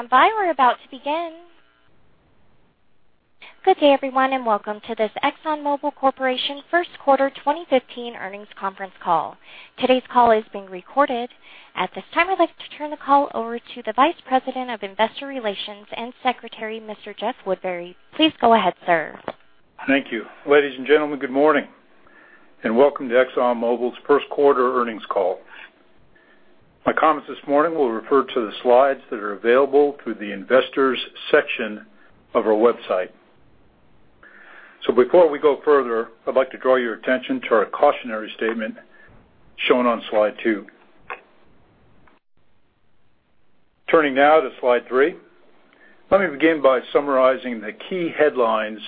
Please stand by. We're about to begin. Good day, everyone, and welcome to this Exxon Mobil Corporation first quarter 2015 earnings conference call. Today's call is being recorded. At this time, I'd like to turn the call over to the Vice President of Investor Relations and Secretary, Mr. Jeff Woodbury. Please go ahead, sir. Thank you. Ladies and gentlemen, good morning, and welcome to ExxonMobil's first quarter earnings call. My comments this morning will refer to the slides that are available through the investors section of our website. Before we go further, I'd like to draw your attention to our cautionary statement shown on slide two. Turning now to slide three. Let me begin by summarizing the key headlines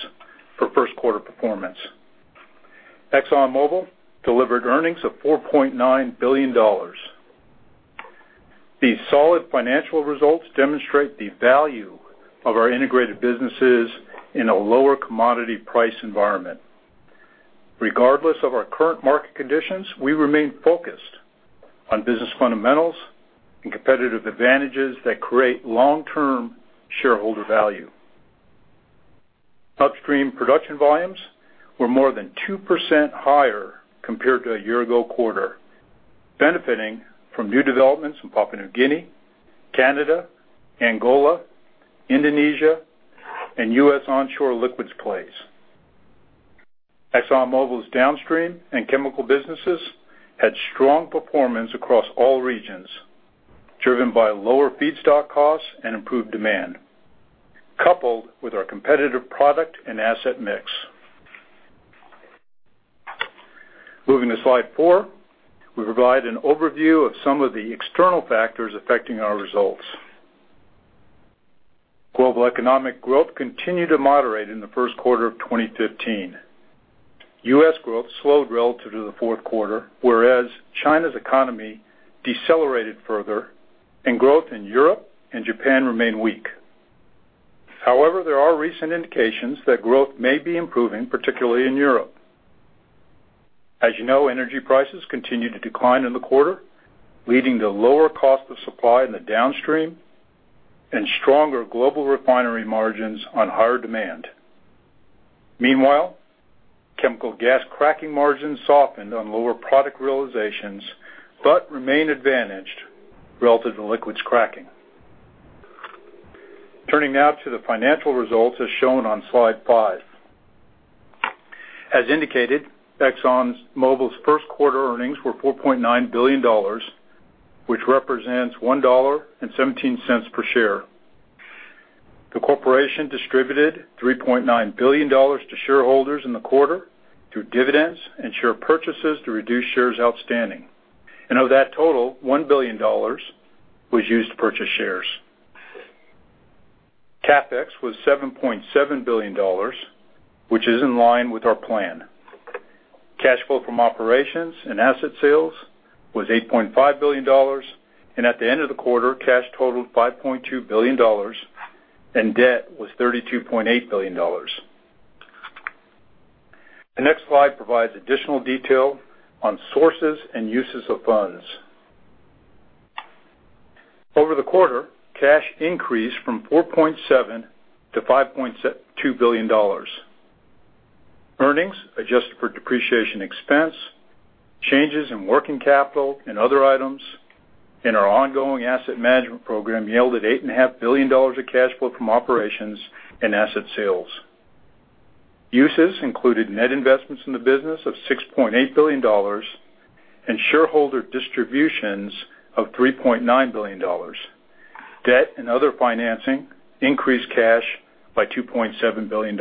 for first quarter performance. ExxonMobil delivered earnings of $4.9 billion. These solid financial results demonstrate the value of our integrated businesses in a lower commodity price environment. Regardless of our current market conditions, we remain focused on business fundamentals and competitive advantages that create long-term shareholder value. Upstream production volumes were more than 2% higher compared to a year-ago quarter, benefiting from new developments in Papua New Guinea, Canada, Angola, Indonesia, and U.S. onshore liquids plays. ExxonMobil's downstream and chemical businesses had strong performance across all regions, driven by lower feedstock costs and improved demand, coupled with our competitive product and asset mix. Moving to slide four, we provide an overview of some of the external factors affecting our results. Global economic growth continued to moderate in the first quarter of 2015. U.S. growth slowed relative to the fourth quarter, whereas China's economy decelerated further, and growth in Europe and Japan remained weak. However, there are recent indications that growth may be improving, particularly in Europe. As you know, energy prices continued to decline in the quarter, leading to lower cost of supply in the downstream and stronger global refinery margins on higher demand. Meanwhile, chemical gas cracking margins softened on lower product realizations, but remained advantaged relative to liquids cracking. Turning now to the financial results as shown on slide five. As indicated, ExxonMobil's first quarter earnings were $4.9 billion, which represents $1.17 per share. The corporation distributed $3.9 billion to shareholders in the quarter through dividends and share purchases to reduce shares outstanding. Of that total, $1 billion was used to purchase shares. CapEx was $7.7 billion, which is in line with our plan. Cash flow from operations and asset sales was $8.5 billion. At the end of the quarter, cash totaled $5.2 billion, and debt was $32.8 billion. The next slide provides additional detail on sources and uses of funds. Over the quarter, cash increased from $4.7 billion to $5.2 billion. Earnings adjusted for depreciation expense, changes in working capital and other items, and our ongoing asset management program yielded $8.5 billion of cash flow from operations and asset sales. Uses included net investments in the business of $6.8 billion and shareholder distributions of $3.9 billion. Debt and other financing increased cash by $2.7 billion.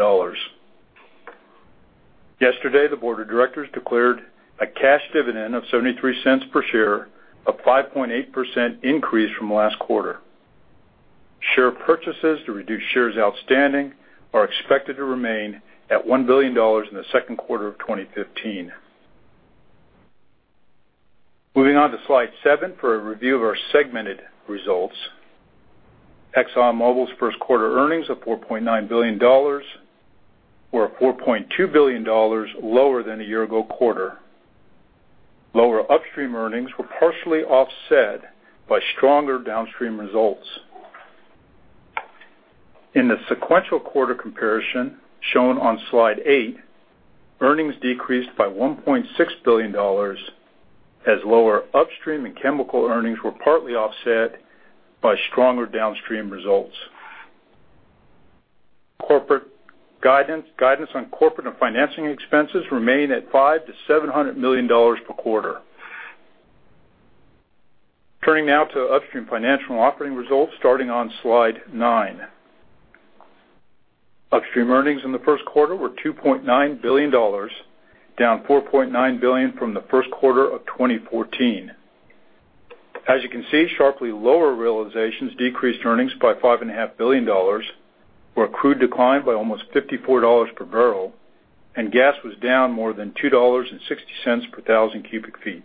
Yesterday, the board of directors declared a cash dividend of $0.73 per share, a 5.8% increase from last quarter. Share purchases to reduce shares outstanding are expected to remain at $1 billion in the second quarter of 2015. Moving on to slide seven for a review of our segmented results. ExxonMobil's first quarter earnings of $4.9 billion were $4.2 billion lower than a year ago quarter. Lower upstream earnings were partially offset by stronger downstream results. In the sequential quarter comparison shown on slide eight, earnings decreased by $1.6 billion as lower upstream and chemical earnings were partly offset by stronger downstream results. Guidance on corporate and financing expenses remain at $500 million-$700 million per quarter. Turning now to upstream financial and operating results, starting on slide nine. Upstream earnings in the first quarter were $2.9 billion, down $4.9 billion from the first quarter of 2014. As you can see, sharply lower realizations decreased earnings by $5.5 billion, where crude declined by almost $54 per barrel, and gas was down more than $2.60 per thousand cubic feet.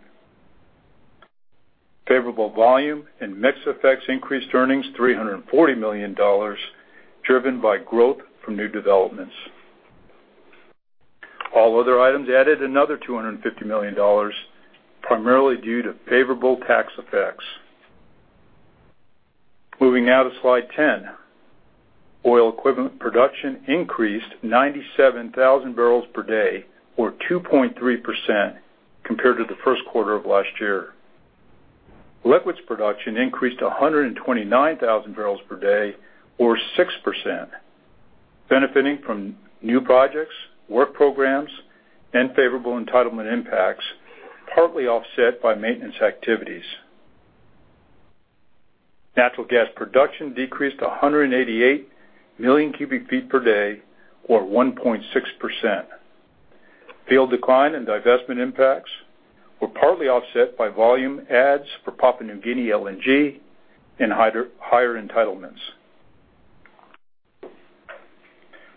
Favorable volume and mix effects increased earnings $340 million, driven by growth from new developments. All other items added another $250 million, primarily due to favorable tax effects. Moving now to slide 10. Oil equivalent production increased 97,000 barrels per day, or 2.3% compared to the first quarter of last year. Liquids production increased to 129,000 barrels per day, or 6%, benefiting from new projects, work programs, and favorable entitlement impacts, partly offset by maintenance activities. Natural gas production decreased to 188 million cubic feet per day, or 1.6%. Field decline and divestment impacts were partly offset by volume adds for Papua New Guinea LNG and higher entitlements.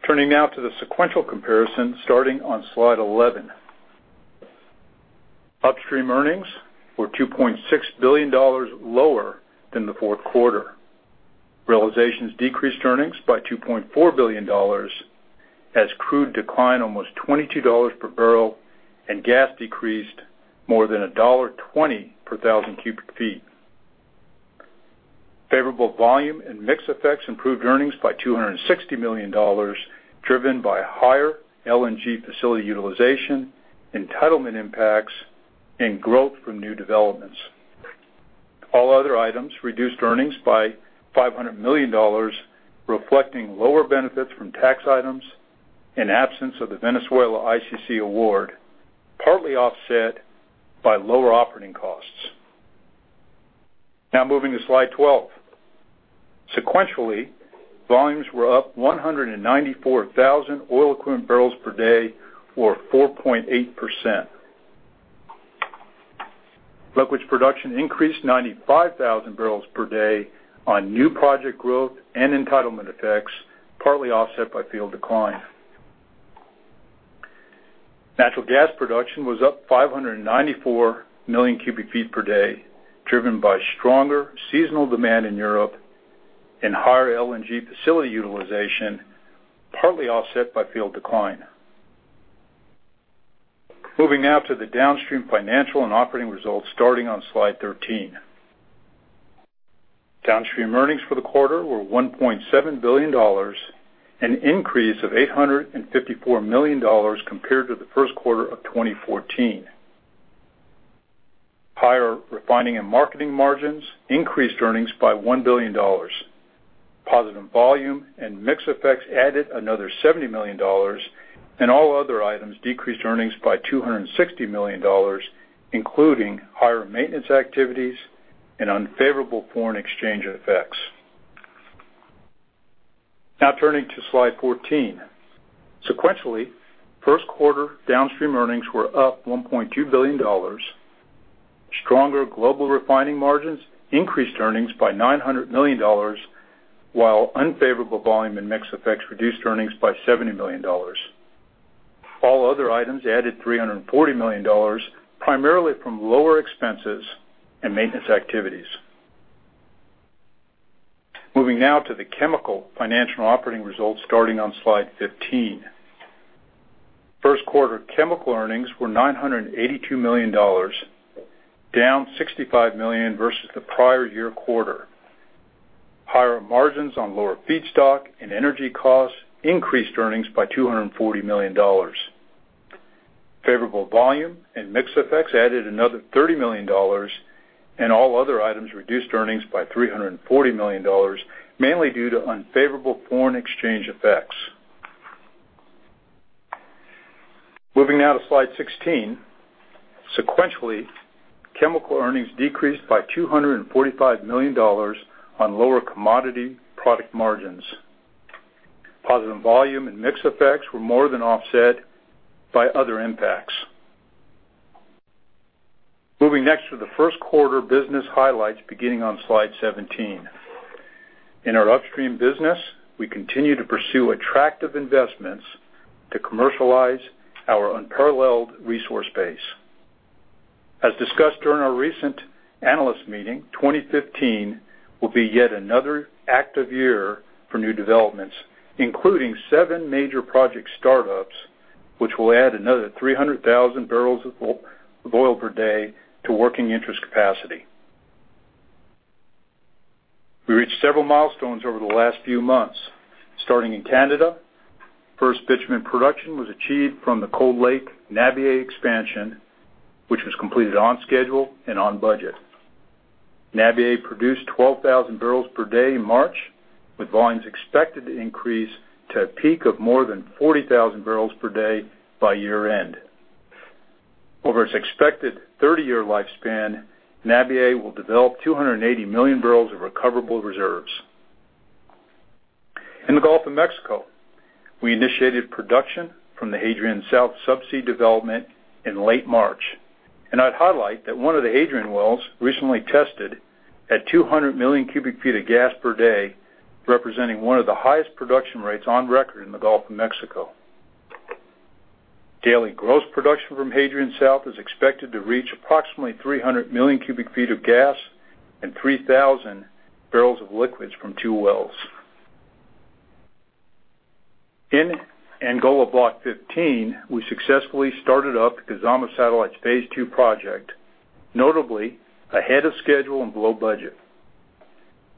Turning now to the sequential comparison starting on slide 11. Upstream earnings were $2.6 billion lower than the fourth quarter. Realizations decreased earnings by $2.4 billion as crude declined almost $22 per barrel and gas decreased more than $1.20 per thousand cubic feet. Favorable volume and mix effects improved earnings by $260 million, driven by higher LNG facility utilization, entitlement impacts, and growth from new developments. All other items reduced earnings by $500 million, reflecting lower benefits from tax items and absence of the Venezuela ICC award, partly offset by lower operating costs. Now moving to slide 12. Sequentially, volumes were up 194,000 oil equivalent barrels per day, or 4.8%. Liquids production increased 95,000 barrels per day on new project growth and entitlement effects, partly offset by field decline. Natural gas production was up 594 million cubic feet per day, driven by stronger seasonal demand in Europe and higher LNG facility utilization, partly offset by field decline. Moving now to the downstream financial and operating results starting on slide 13. Downstream earnings for the quarter were $1.7 billion, an increase of $854 million compared to the first quarter of 2014. Higher refining and marketing margins increased earnings by $1 billion. Positive volume and mix effects added another $70 million, and all other items decreased earnings by $260 million, including higher maintenance activities and unfavorable foreign exchange effects. Now turning to slide 14. Sequentially, first quarter downstream earnings were up $1.2 billion. Stronger global refining margins increased earnings by $900 million, while unfavorable volume and mix effects reduced earnings by $70 million. All other items added $340 million, primarily from lower expenses and maintenance activities. Moving now to the chemical financial and operating results starting on slide 15. First quarter chemical earnings were $982 million, down $65 million versus the prior year quarter. Higher margins on lower feedstock and energy costs increased earnings by $240 million. Favorable volume and mix effects added another $30 million, and all other items reduced earnings by $340 million, mainly due to unfavorable foreign exchange effects. Moving now to slide 16. Sequentially, chemical earnings decreased by $245 million on lower commodity product margins. Positive volume and mix effects were more than offset by other impacts. Moving next to the first quarter business highlights beginning on slide 17. In our upstream business, we continue to pursue attractive investments to commercialize our unparalleled resource base. As discussed during our recent Analyst Meeting, 2015 will be yet another active year for new developments, including seven major project startups, which will add another 300,000 barrels of oil per day to working interest capacity. We reached several milestones over the last few months. Starting in Canada, first bitumen production was achieved from the Cold Lake Nabiye expansion, which was completed on schedule and on budget. Nabiye produced 12,000 barrels per day in March, with volumes expected to increase to a peak of more than 40,000 barrels per day by year-end. Over its expected 30-year lifespan, Nabiye will develop 280 million barrels of recoverable reserves. In the Gulf of Mexico, we initiated production from the Hadrian South subsea development in late March. I'd highlight that one of the Hadrian wells recently tested at 200 million cubic feet of gas per day, representing one of the highest production rates on record in the Gulf of Mexico. Daily gross production from Hadrian South is expected to reach approximately 300 million cubic feet of gas and 3,000 barrels of liquids from two wells. In Angola Block 15, we successfully started up Kizomba Satellites Phase 2 project, notably ahead of schedule and below budget.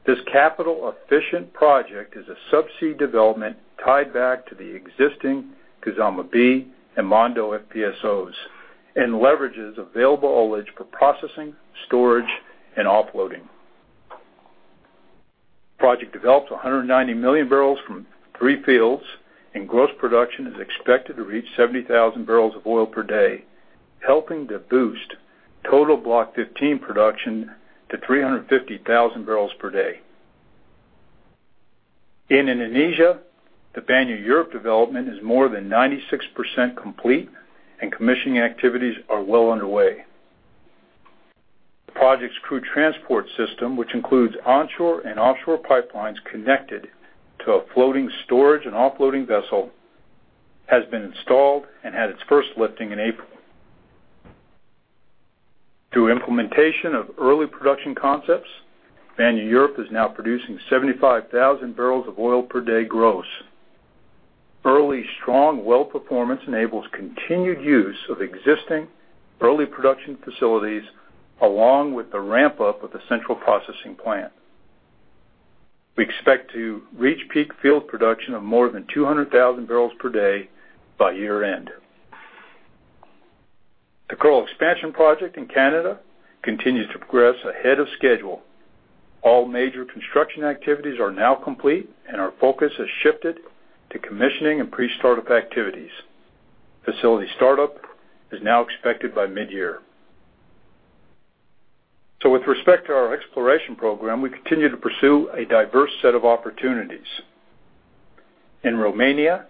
This capital-efficient project is a subsea development tied back to the existing Kizomba B and Mondo FPSOs and leverages available ullage for processing, storage, and offloading. Project develops 190 million barrels from three fields, and gross production is expected to reach 70,000 barrels of oil per day, helping to boost total Block 15 production to 350,000 barrels per day. In Indonesia, the Banyu Urip development is more than 96% complete, and commissioning activities are well underway. The project's crude transport system, which includes onshore and offshore pipelines connected to a floating storage and offloading vessel, has been installed and had its first lifting in April. Through implementation of early production concepts, Banyu Urip is now producing 75,000 barrels of oil per day gross. Early strong well performance enables continued use of existing early production facilities, along with the ramp-up of the central processing plant. We expect to reach peak field production of more than 200,000 barrels per day by year-end. The Kearl expansion project in Canada continues to progress ahead of schedule. All major construction activities are now complete, and our focus has shifted to commissioning and pre-startup activities. Facility startup is now expected by mid-year. With respect to our exploration program, we continue to pursue a diverse set of opportunities. In Romania,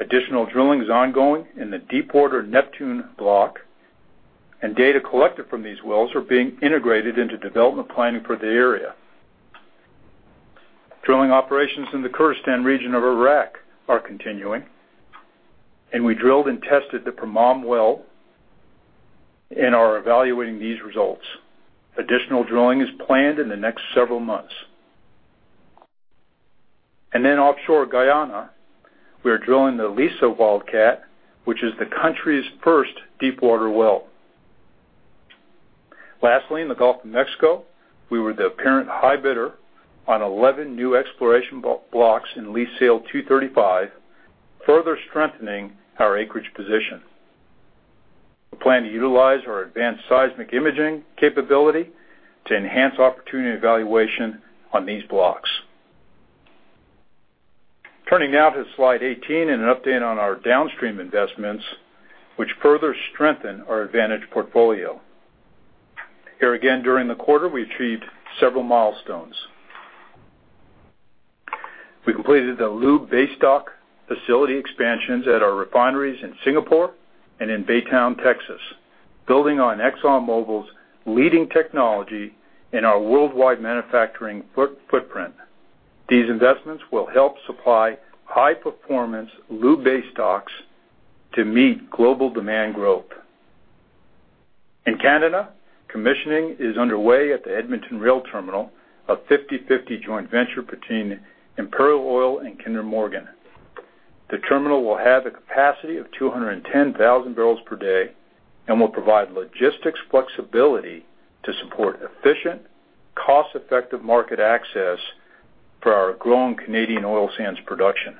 additional drilling is ongoing in the deepwater Neptune block, and data collected from these wells are being integrated into development planning for the area. Drilling operations in the Kurdistan region of Iraq are continuing, and we drilled and tested the Pirmam well and are evaluating these results. Additional drilling is planned in the next several months. Offshore Guyana, we are drilling the Liza wildcat, which is the country's first deepwater well. Lastly, in the Gulf of Mexico, we were the apparent high bidder on 11 new exploration blocks in Lease Sale 235, further strengthening our acreage position. We plan to utilize our advanced seismic imaging capability to enhance opportunity evaluation on these blocks. Turning now to slide 18 and an update on our downstream investments, which further strengthen our advantage portfolio. Here again, during the quarter, we achieved several milestones. We completed the lube base stock facility expansions at our refineries in Singapore and in Baytown, Texas, building on ExxonMobil's leading technology in our worldwide manufacturing footprint. These investments will help supply high-performance lube base stocks to meet global demand growth. In Canada, commissioning is underway at the Edmonton rail terminal, a 50/50 joint venture between Imperial Oil and Kinder Morgan. The terminal will have a capacity of 210,000 barrels per day and will provide logistics flexibility to support efficient, cost-effective market access for our growing Canadian oil sands production.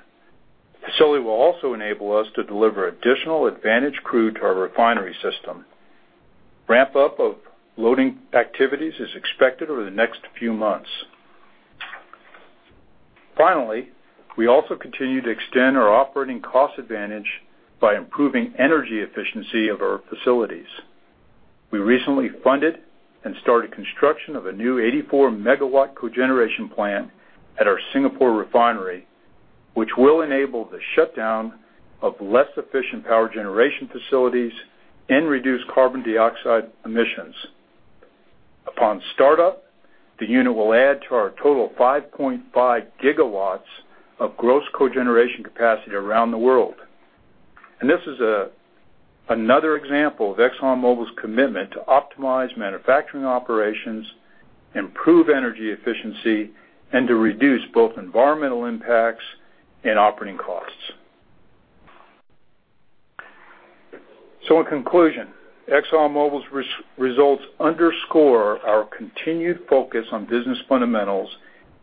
The facility will also enable us to deliver additional advantage crude to our refinery system. Ramp-up of loading activities is expected over the next few months. Finally, we also continue to extend our operating cost advantage by improving energy efficiency of our facilities. We recently funded and started construction of a new 84-megawatt cogeneration plant at our Singapore refinery, which will enable the shutdown of less efficient power generation facilities and reduce carbon dioxide emissions. Upon startup, the unit will add to our total 5.5 gigawatts of gross cogeneration capacity around the world. This is another example of ExxonMobil's commitment to optimize manufacturing operations, improve energy efficiency, and to reduce both environmental impacts and operating costs. In conclusion, ExxonMobil's results underscore our continued focus on business fundamentals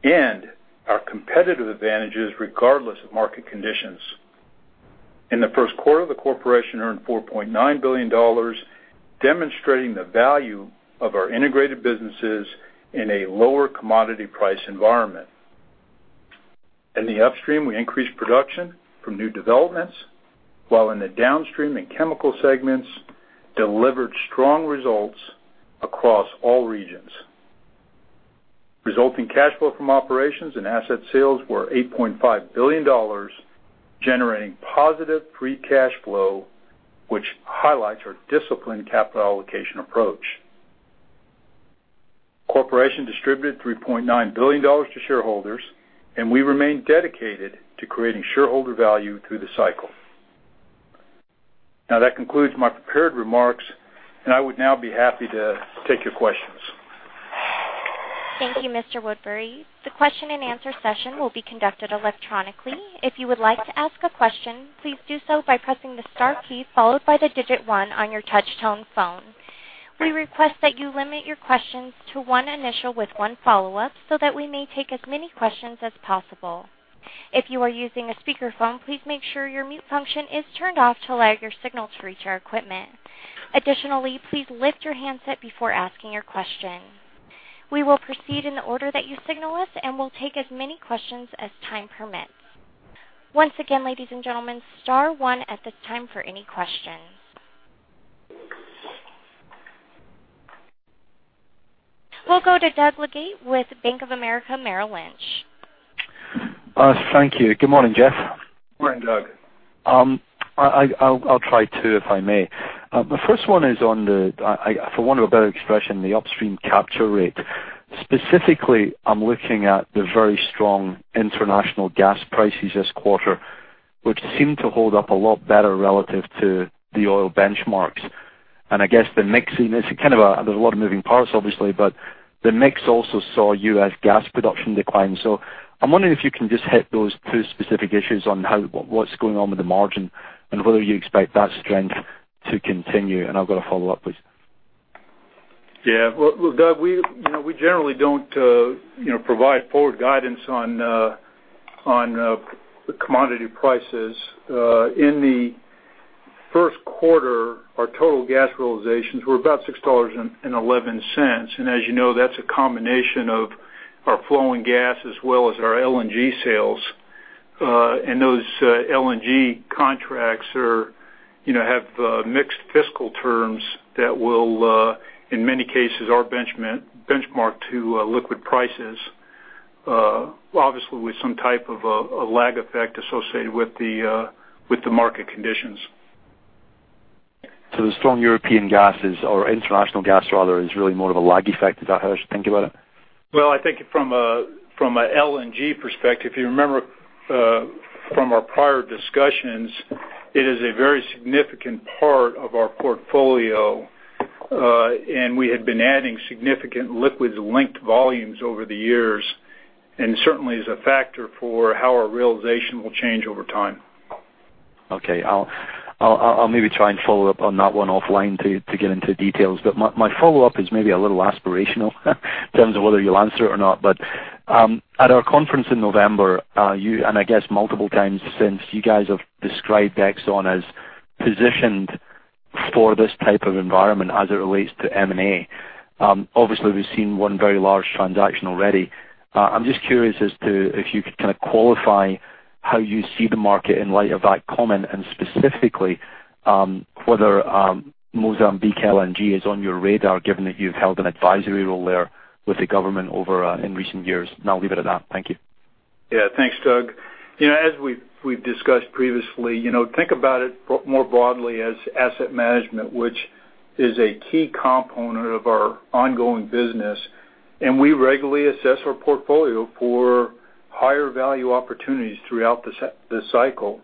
and our competitive advantages regardless of market conditions. In the first quarter, the corporation earned $4.9 billion, demonstrating the value of our integrated businesses in a lower commodity price environment. In the upstream, we increased production from new developments, while in the downstream and chemical segments delivered strong results across all regions. Resulting cash flow from operations and asset sales were $8.5 billion, generating positive free cash flow, which highlights our disciplined capital allocation approach. Corporation distributed $3.9 billion to shareholders, and we remain dedicated to creating shareholder value through the cycle. That concludes my prepared remarks, and I would now be happy to take your questions. Thank you, Mr. Woodbury. The question and answer session will be conducted electronically. If you would like to ask a question, please do so by pressing the star key, followed by the digit 1 on your touch-tone phone. We request that you limit your questions to 1 initial with 1 follow-up, so that we may take as many questions as possible. If you are using a speakerphone, please make sure your mute function is turned off to allow your signal to reach our equipment. Additionally, please lift your handset before asking your question. We will proceed in the order that you signal us, and we will take as many questions as time permits. Once again, ladies and gentlemen, star one at this time for any questions. We will go to Doug Leggate with Bank of America Merrill Lynch. Thank you. Good morning, Jeff. Morning, Doug. I'll try two, if I may. The first one is on the, for want of a better expression, the upstream capture rate. Specifically, I'm looking at the very strong international gas prices this quarter, which seem to hold up a lot better relative to the oil benchmarks. I guess the mix in this, there's a lot of moving parts obviously, but the mix also saw U.S. gas production decline. I'm wondering if you can just hit those two specific issues on what's going on with the margin and whether you expect that strength to continue. I've got a follow-up, please. Yeah. Well, Doug, we generally don't provide forward guidance on the commodity prices. In the first quarter, our total gas realizations were about $6.11. As you know, that's a combination of our flowing gas as well as our LNG sales. Those LNG contracts have mixed fiscal terms that, in many cases, are benchmarked to liquid prices, obviously with some type of a lag effect associated with the market conditions. The strong European gases or international gas rather, is really more of a lag effect. Is that how I should think about it? Well, I think from a LNG perspective, if you remember from our prior discussions, it is a very significant part of our portfolio. We had been adding significant liquids linked volumes over the years, and certainly is a factor for how our realization will change over time. Okay. I'll maybe try and follow up on that one offline to get into details. My follow-up is maybe a little aspirational in terms of whether you'll answer it or not. At our conference in November, and I guess multiple times since, you guys have described Exxon as positioned for this type of environment as it relates to M&A. Obviously, we've seen one very large transaction already. I'm just curious as to if you could kind of qualify how you see the market in light of that comment and specifically whether Mozambique LNG is on your radar, given that you've held an advisory role there with the government over in recent years. I'll leave it at that. Thank you. Yeah. Thanks, Doug. As we've discussed previously, think about it more broadly as asset management, which is a key component of our ongoing business, and we regularly assess our portfolio for higher value opportunities throughout the cycle.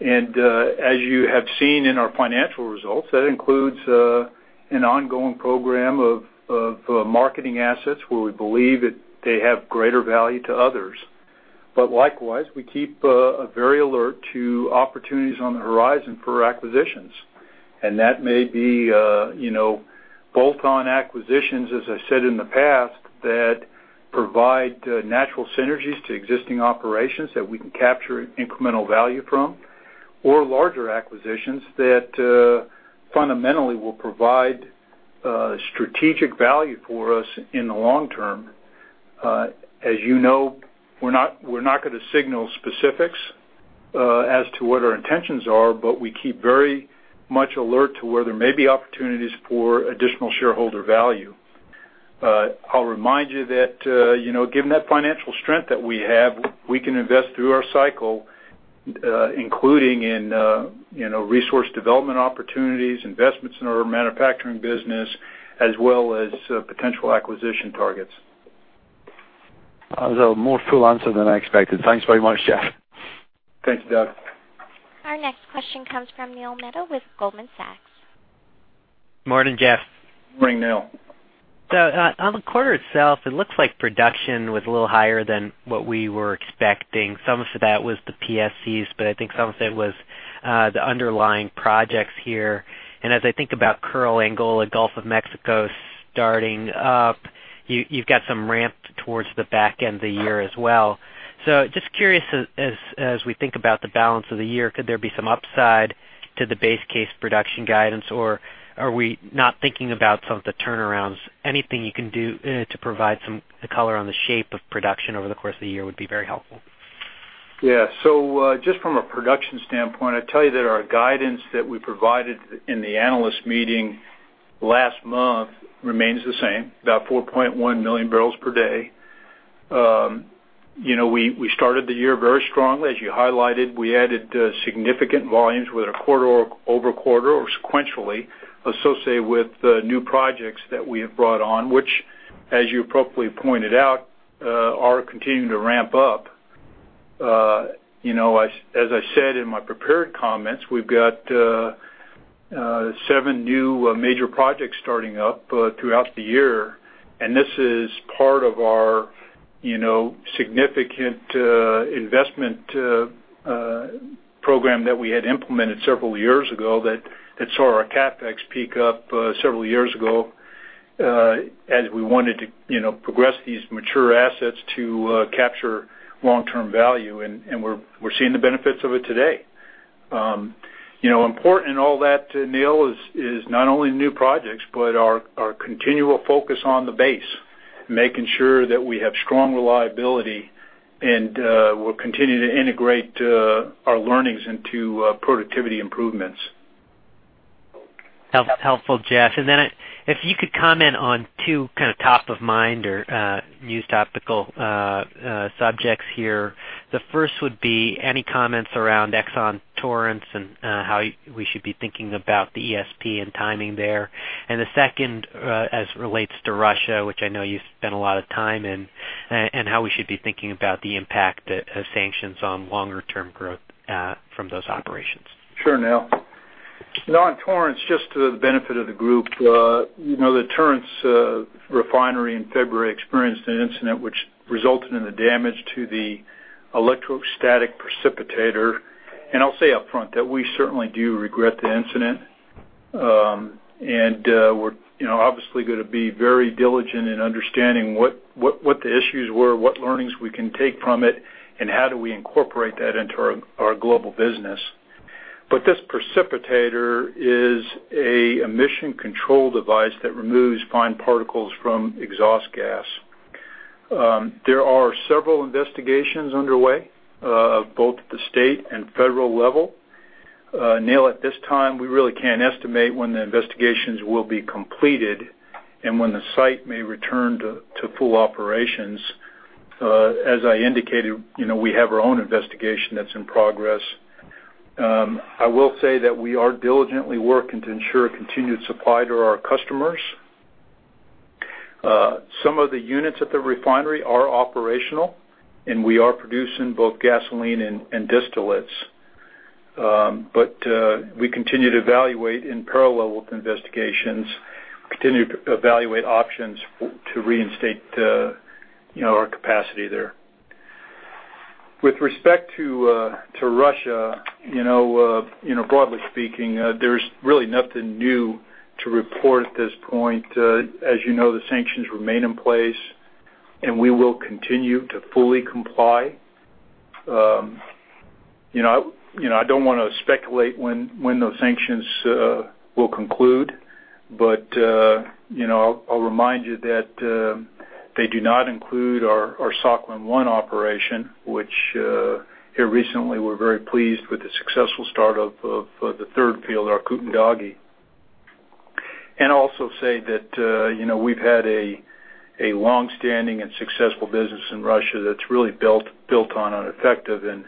As you have seen in our financial results, that includes an ongoing program of marketing assets where we believe that they have greater value to others. Likewise, we keep a very alert to opportunities on the horizon for acquisitions. That may be bolt-on acquisitions, as I said in the past, that provide natural synergies to existing operations that we can capture incremental value from, or larger acquisitions that fundamentally will provide strategic value for us in the long term. As you know, we're not going to signal specifics as to what our intentions are, but we keep very much alert to where there may be opportunities for additional shareholder value. I'll remind you that given that financial strength that we have, we can invest through our cycle including in resource development opportunities, investments in our manufacturing business, as well as potential acquisition targets. That was a more full answer than I expected. Thanks very much, Jeff. Thanks, Doug. Our next question comes from Neil Mehta with Goldman Sachs. Morning, Jeff. Morning, Neil. On the quarter itself, it looks like production was a little higher than what we were expecting. Some of that was the PSCs, but I think some of it was the underlying projects here. As I think about Kearl, Angola, Gulf of Mexico starting up, you've got some ramp towards the back end of the year as well. Just curious, as we think about the balance of the year, could there be some upside to the base case production guidance, or are we not thinking about some of the turnarounds? Anything you can do to provide some color on the shape of production over the course of the year would be very helpful. Just from a production standpoint, I'd tell you that our guidance that we provided in the Analyst Meeting last month remains the same, about 4.1 million barrels per day. We started the year very strongly, as you highlighted. We added significant volumes with a quarter-over-quarter or sequentially associated with new projects that we have brought on, which as you appropriately pointed out, are continuing to ramp up. As I said in my prepared comments, we've got 7 new major projects starting up throughout the year, this is part of our significant investment program that we had implemented several years ago that saw our CapEx peak up several years ago as we wanted to progress these mature assets to capture long-term value. We're seeing the benefits of it today. Important in all that, Neil, is not only new projects, but our continual focus on the base, making sure that we have strong reliability and we'll continue to integrate our learnings into productivity improvements. Helpful, Jeff. If you could comment on two top of mind or news topical subjects here. The first would be any comments around Exxon Torrance and how we should be thinking about the ESP and timing there. The second as it relates to Russia, which I know you spend a lot of time in, how we should be thinking about the impact of sanctions on longer term growth from those operations. Sure, Neil. On Torrance, just to the benefit of the group the Torrance refinery in February experienced an incident which resulted in the damage to the Electrostatic Precipitator. I'll say upfront that we certainly do regret the incident. We're obviously going to be very diligent in understanding what the issues were, what learnings we can take from it, and how do we incorporate that into our global business. This precipitator is a emission control device that removes fine particles from exhaust gas. There are several investigations underway both at the state and federal level. Neil, at this time, we really can't estimate when the investigations will be completed and when the site may return to full operations. As I indicated we have our own investigation that's in progress. I will say that we are diligently working to ensure a continued supply to our customers. Some of the units at the refinery are operational, and we are producing both gasoline and distillates. We continue to evaluate in parallel with the investigations, options to reinstate our capacity there. With respect to Russia broadly speaking there's really nothing new to report at this point. As you know, the sanctions remain in place, and we will continue to fully comply. I don't want to speculate when those sanctions will conclude. I'll remind you that they do not include our Sakhalin-1 operation, which here recently we're very pleased with the successful start-up of the third field, Arkutun-Dagi. Also say that we've had a longstanding and successful business in Russia that's really built on an effective and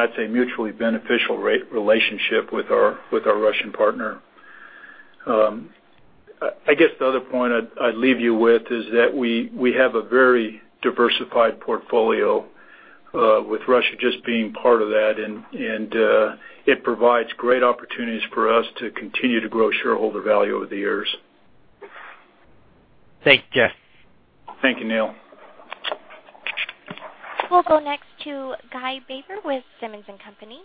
I'd say mutually beneficial relationship with our Russian partner. I guess the other point I'd leave you with is that we have a very diversified portfolio with Russia just being part of that, and it provides great opportunities for us to continue to grow shareholder value over the years. Thanks, Jeff. Thank you, Neil. We'll go next to Guy Baber with Simmons & Company.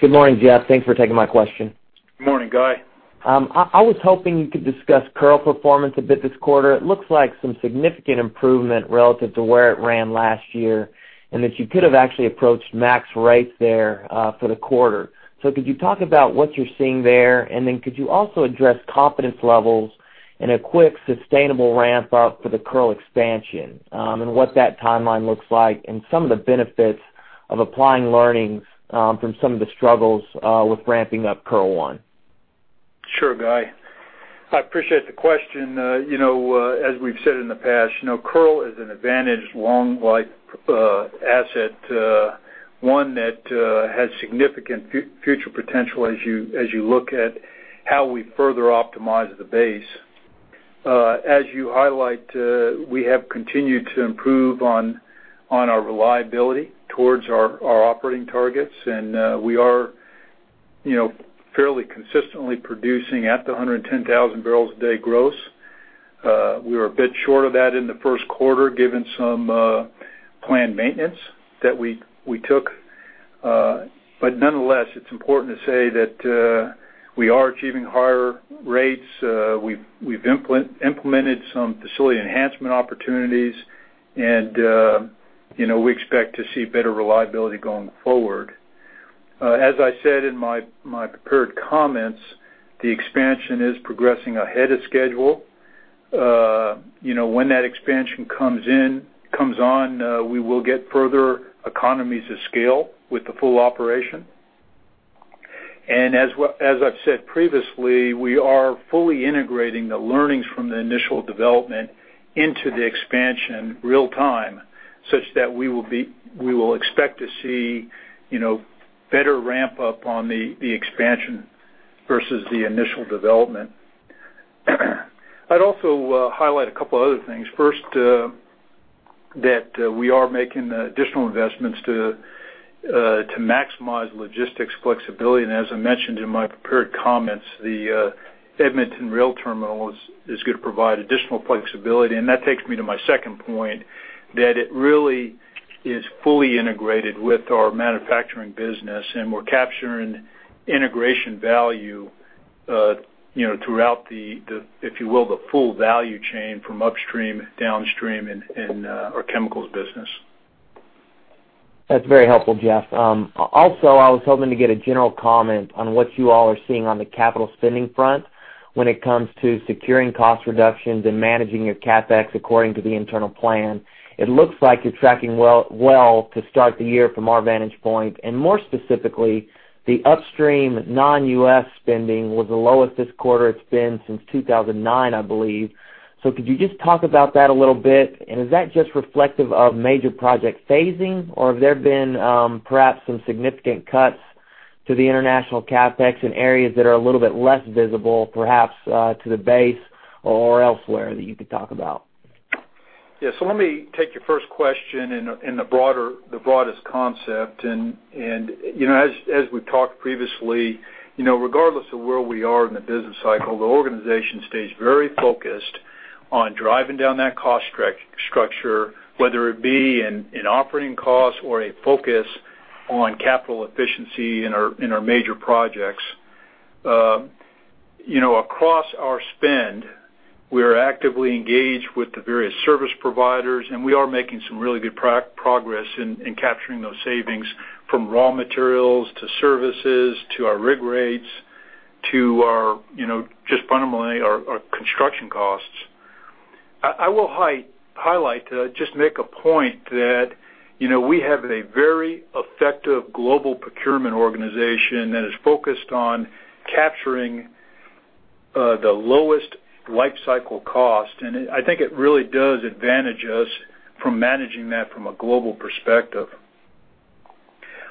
Good morning, Jeff. Thanks for taking my question. Good morning, Guy. I was hoping you could discuss Kearl performance a bit this quarter. It looks like some significant improvement relative to where it ran last year, and that you could have actually approached max rates there for the quarter. Could you talk about what you're seeing there? Could you also address confidence levels and a quick sustainable ramp-up for the Kearl expansion and what that timeline looks like, and some of the benefits of applying learnings from some of the struggles with ramping up Kearl 1? Sure, Guy. I appreciate the question. As we've said in the past, Kearl is an advantaged long-life asset, one that has significant future potential as you look at how we further optimize the base. As you highlight, we have continued to improve on our reliability towards our operating targets. We are fairly consistently producing at 110,000 barrels a day gross. We were a bit short of that in the first quarter given some planned maintenance that we took. Nonetheless, it's important to say that we are achieving higher rates. We've implemented some facility enhancement opportunities, and we expect to see better reliability going forward. As I said in my prepared comments, the expansion is progressing ahead of schedule. When that expansion comes on, we will get further economies of scale with the full operation. As I've said previously, we are fully integrating the learnings from the initial development into the expansion real time, such that we will expect to see better ramp-up on the expansion versus the initial development. I'd also highlight a couple other things. First, that we are making additional investments to maximize logistics flexibility, and as I mentioned in my prepared comments, the Edmonton rail terminal is going to provide additional flexibility. That takes me to my second point, that it really is fully integrated with our manufacturing business, and we're capturing integration value throughout the, if you will, the full value chain from upstream, downstream in our chemicals business. That's very helpful, Jeff. Also, I was hoping to get a general comment on what you all are seeing on the capital spending front when it comes to securing cost reductions and managing your CapEx according to the internal plan. It looks like you're tracking well to start the year from our vantage point. More specifically, the upstream non-U.S. spending was the lowest this quarter it's been since 2009, I believe. Could you just talk about that a little bit? Is that just reflective of major project phasing, or have there been perhaps some significant cuts to the international CapEx in areas that are a little bit less visible, perhaps to the base or elsewhere that you could talk about? Yeah. Let me take your first question in the broadest concept. As we've talked previously, regardless of where we are in the business cycle, the organization stays very focused on driving down that cost structure, whether it be in operating costs or a focus on capital efficiency in our major projects. Across our spend, we are actively engaged with the various service providers, and we are making some really good progress in capturing those savings from raw materials to services, to our rig rates, to just fundamentally our construction costs. I will highlight to just make a point that we have a very effective global procurement organization that is focused on capturing the lowest life cycle cost, and I think it really does advantage us from managing that from a global perspective.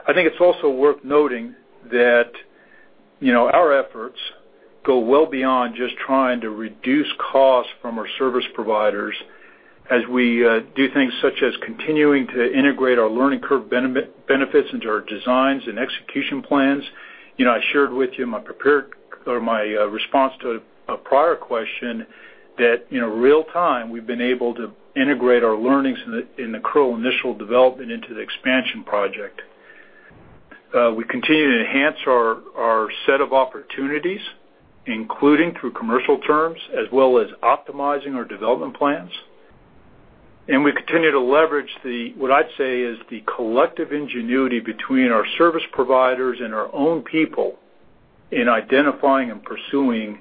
I think it's also worth noting that our efforts go well beyond just trying to reduce costs from our service providers as we do things such as continuing to integrate our learning curve benefits into our designs and execution plans. I shared with you in my response to a prior question that real time we've been able to integrate our learnings in the Kearl initial development into the expansion project. We continue to enhance our set of opportunities, including through commercial terms as well as optimizing our development plans. We continue to leverage what I'd say is the collective ingenuity between our service providers and our own people in identifying and pursuing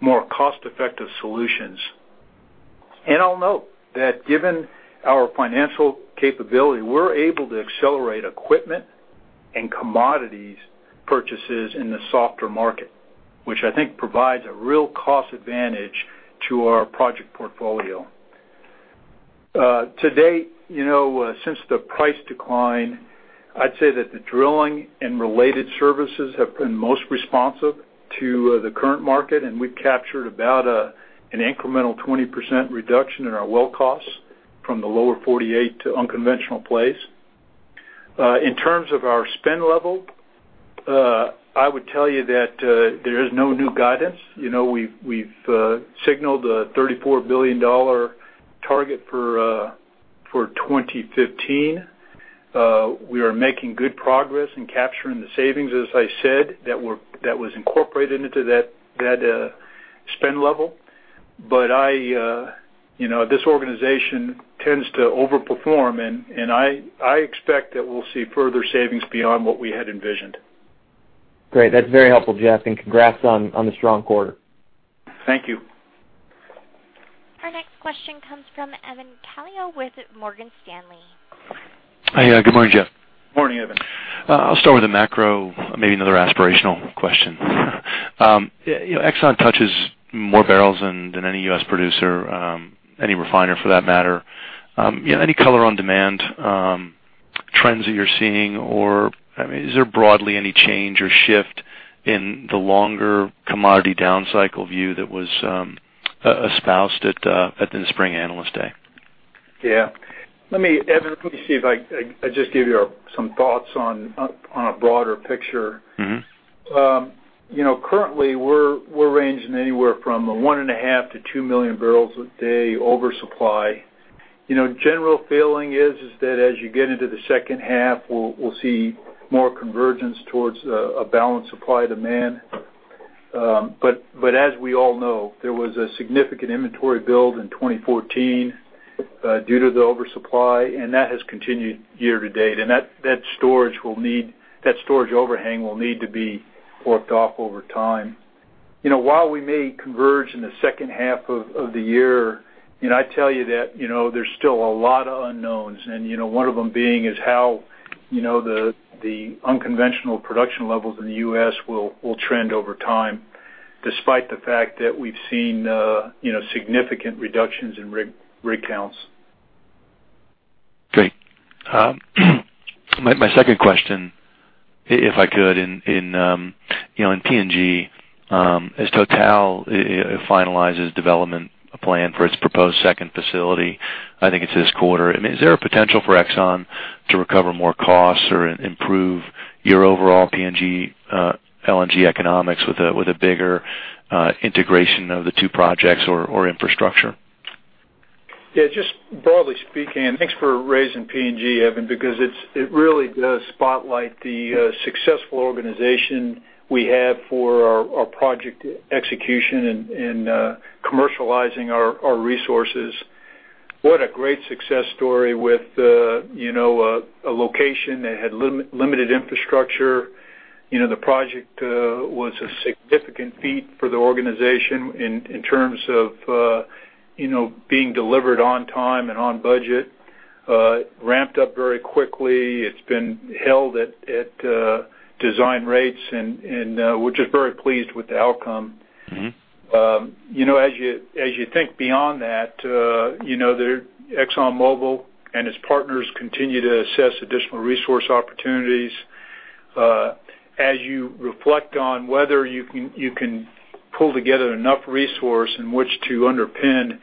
more cost-effective solutions. I'll note that given our financial capability, we're able to accelerate equipment and commodities purchases in the softer market, which I think provides a real cost advantage to our project portfolio. To date, since the price decline, I'd say that the drilling and related services have been most responsive to the current market, and we've captured about an incremental 20% reduction in our well costs from the lower 48 to unconventional plays. In terms of our spend level, I would tell you that there is no new guidance. We've signaled a $34 billion target for 2015. We are making good progress in capturing the savings, as I said, that was incorporated into that spend level. This organization tends to over-perform, and I expect that we'll see further savings beyond what we had envisioned. Great. That's very helpful, Jeff, and congrats on the strong quarter. Thank you. Our next question comes from Evan Calio with Morgan Stanley. Good morning, Jeff. Morning, Evan. I'll start with a macro, maybe another aspirational question. Exxon touches more barrels than any U.S. producer, any refiner for that matter. Any color on demand trends that you're seeing? Or is there broadly any change or shift in the longer commodity down cycle view that was espoused at the spring Analyst Meeting? Yeah. Evan, let me see if I just give you some thoughts on a broader picture. Currently, we're ranging anywhere from a one and a half to 2 million barrels a day oversupply. General feeling is that as you get into the second half, we'll see more convergence towards a balanced supply demand. As we all know, there was a significant inventory build in 2014 due to the oversupply, and that has continued year to date. That storage overhang will need to be worked off over time. While we may converge in the second half of the year, I tell you that there's still a lot of unknowns, and one of them being is how the unconventional production levels in the U.S. will trend over time, despite the fact that we've seen significant reductions in rig counts. Great. My second question, if I could, in PNG, as Total finalizes development plan for its proposed second facility, I think it's this quarter. Is there a potential for Exxon to recover more costs or improve your overall PNG LNG economics with a bigger integration of the 2 projects or infrastructure? Yeah, just broadly speaking, thanks for raising PNG, Evan, because it really does spotlight the successful organization we have for our project execution and commercializing our resources. What a great success story with a location that had limited infrastructure. The project was a significant feat for the organization in terms of being delivered on time and on budget. It ramped up very quickly. It's been held at design rates, and we're just very pleased with the outcome. As you think beyond that, Exxon Mobil and its partners continue to assess additional resource opportunities. As you reflect on whether you can pull together enough resource in which to underpin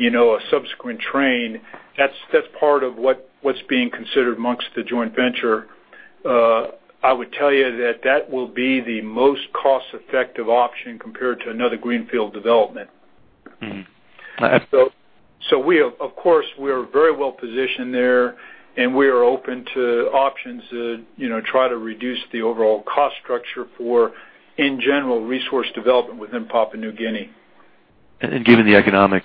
a subsequent train, that's part of what's being considered amongst the joint venture. I would tell you that that will be the most cost-effective option compared to another greenfield development. Of course, we're very well-positioned there, and we are open to options to try to reduce the overall cost structure for, in general, resource development within Papua New Guinea. Given the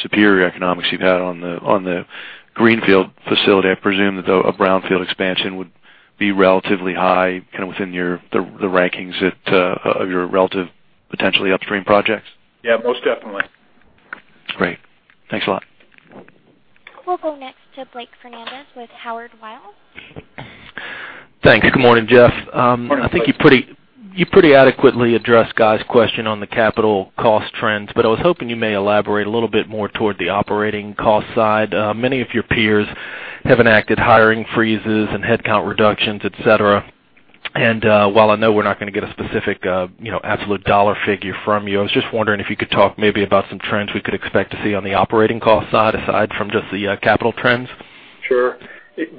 superior economics you've had on the greenfield facility, I presume that though a brownfield expansion would be relatively high within the rankings of your relative potentially upstream projects? Yeah, most definitely. Great. Thanks a lot. We'll go next to Blake Fernandez with Howard Weil. Thanks. Good morning, Jeff. Morning, Blake. I think you pretty adequately addressed Guy's question on the capital cost trends, but I was hoping you may elaborate a little bit more toward the operating cost side. Many of your peers have enacted hiring freezes and headcount reductions, et cetera. While I know we're not going to get a specific absolute dollar figure from you, I was just wondering if you could talk maybe about some trends we could expect to see on the operating cost side, aside from just the capital trends. Sure,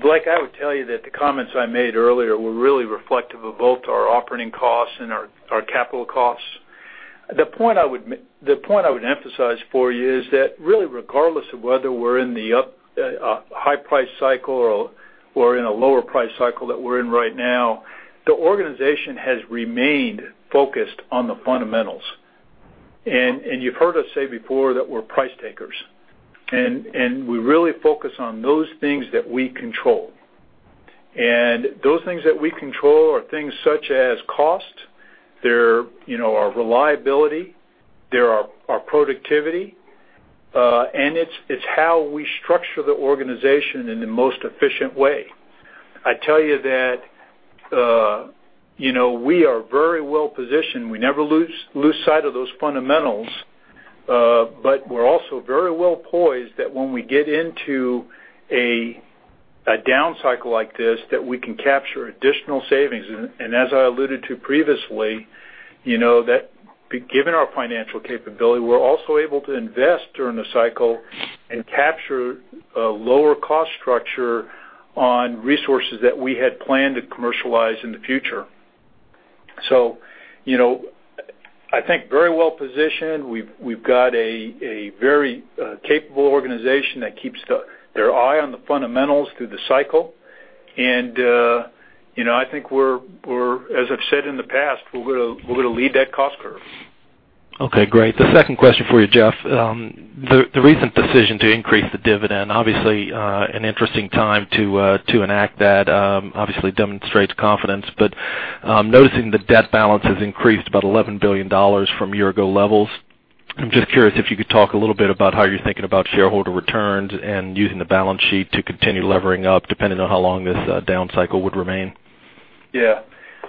Blake, I would tell you that the comments I made earlier were really reflective of both our operating costs and our capital costs. The point I would emphasize for you is that really regardless of whether we're in the high price cycle or in a lower price cycle that we're in right now, the organization has remained focused on the fundamentals. You've heard us say before that we're price takers, and we really focus on those things that we control. Those things that we control are things such as cost, they're our reliability, they're our productivity, and it's how we structure the organization in the most efficient way. I tell you that we are very well-positioned. We never lose sight of those fundamentals, but we're also very well-poised that when we get into a down cycle like this, that we can capture additional savings. As I alluded to previously, given our financial capability, we're also able to invest during the cycle and capture a lower cost structure on resources that we had planned to commercialize in the future. I think very well-positioned. We've got a very capable organization that keeps their eye on the fundamentals through the cycle, and I think as I've said in the past, we're going to lead that cost curve. Okay, great. The second question for you, Jeff. The recent decision to increase the dividend, obviously, an interesting time to enact that, obviously demonstrates confidence. Noticing the debt balance has increased about $11 billion from year-ago levels, I'm just curious if you could talk a little bit about how you're thinking about shareholder returns and using the balance sheet to continue levering up depending on how long this down cycle would remain. Yeah.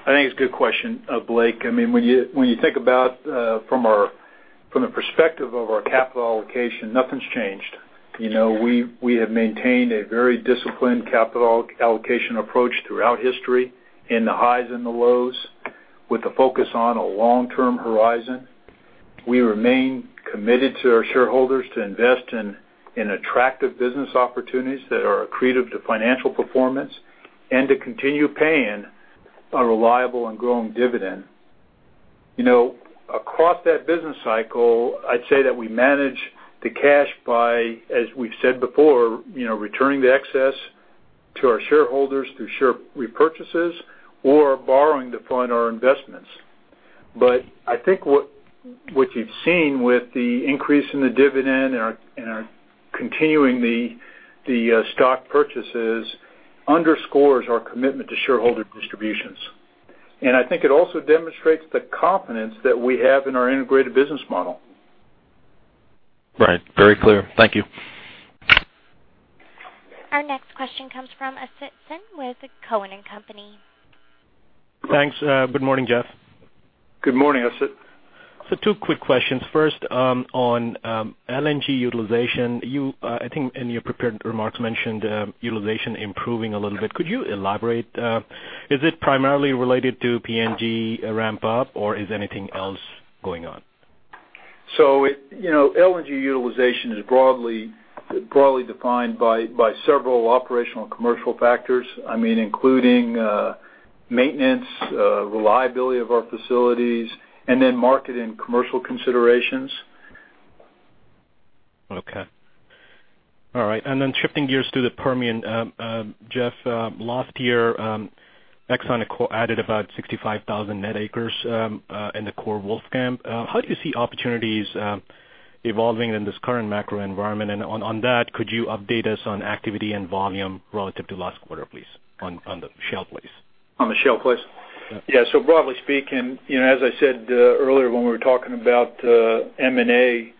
I think it's a good question, Blake. When you think about from the perspective of our capital allocation, nothing's changed. We have maintained a very disciplined capital allocation approach throughout history in the highs and the lows with a focus on a long-term horizon. We remain committed to our shareholders to invest in attractive business opportunities that are accretive to financial performance and to continue paying a reliable and growing dividend. Across that business cycle, I'd say that we manage the cash by, as we've said before, returning the excess to our shareholders through share repurchases or borrowing to fund our investments. I think what you've seen with the increase in the dividend and our continuing the stock purchases underscores our commitment to shareholder distributions. I think it also demonstrates the confidence that we have in our integrated business model. Right. Very clear. Thank you. Our next question comes from Asit Sen with Cowen and Company. Thanks. Good morning, Jeff. Good morning, Asit. Two quick questions. First on LNG utilization. You, I think in your prepared remarks, mentioned utilization improving a little bit. Could you elaborate? Is it primarily related to PNG ramp up or is anything else going on? LNG utilization is broadly defined by several operational commercial factors, including maintenance, reliability of our facilities, and then market and commercial considerations. Okay. All right. Shifting gears to the Permian. Jeff, last year, Exxon added about 65,000 net acres in the core Wolfcamp. How do you see opportunities evolving in this current macro environment? On that, could you update us on activity and volume relative to last quarter, please, on the shale plays? On the shale plays? Yeah. Broadly speaking, as I said earlier when we were talking about M&A,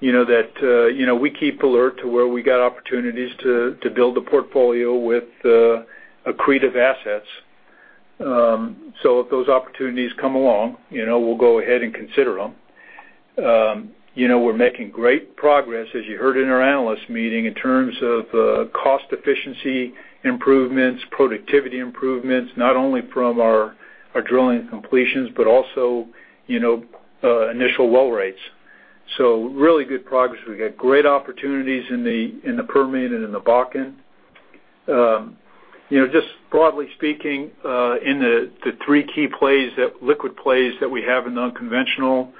that we keep alert to where we got opportunities to build a portfolio with accretive assets. If those opportunities come along, we'll go ahead and consider them. We're making great progress, as you heard in our analyst meeting, in terms of cost efficiency improvements, productivity improvements, not only from our drilling completions, but also initial well rates. Really good progress. We got great opportunities in the Permian and in the Bakken. Just broadly speaking, in the three key plays, liquid plays that we have in unconventional,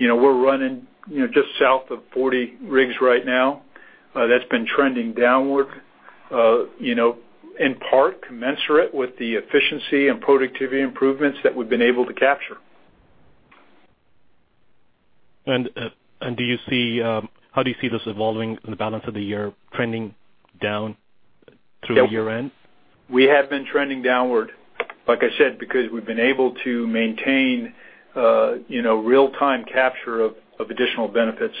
we're running just south of 40 rigs right now. That's been trending downward, in part commensurate with the efficiency and productivity improvements that we've been able to capture. How do you see this evolving in the balance of the year trending down through the year-end? We have been trending downward, like I said, because we've been able to maintain real-time capture of additional benefits.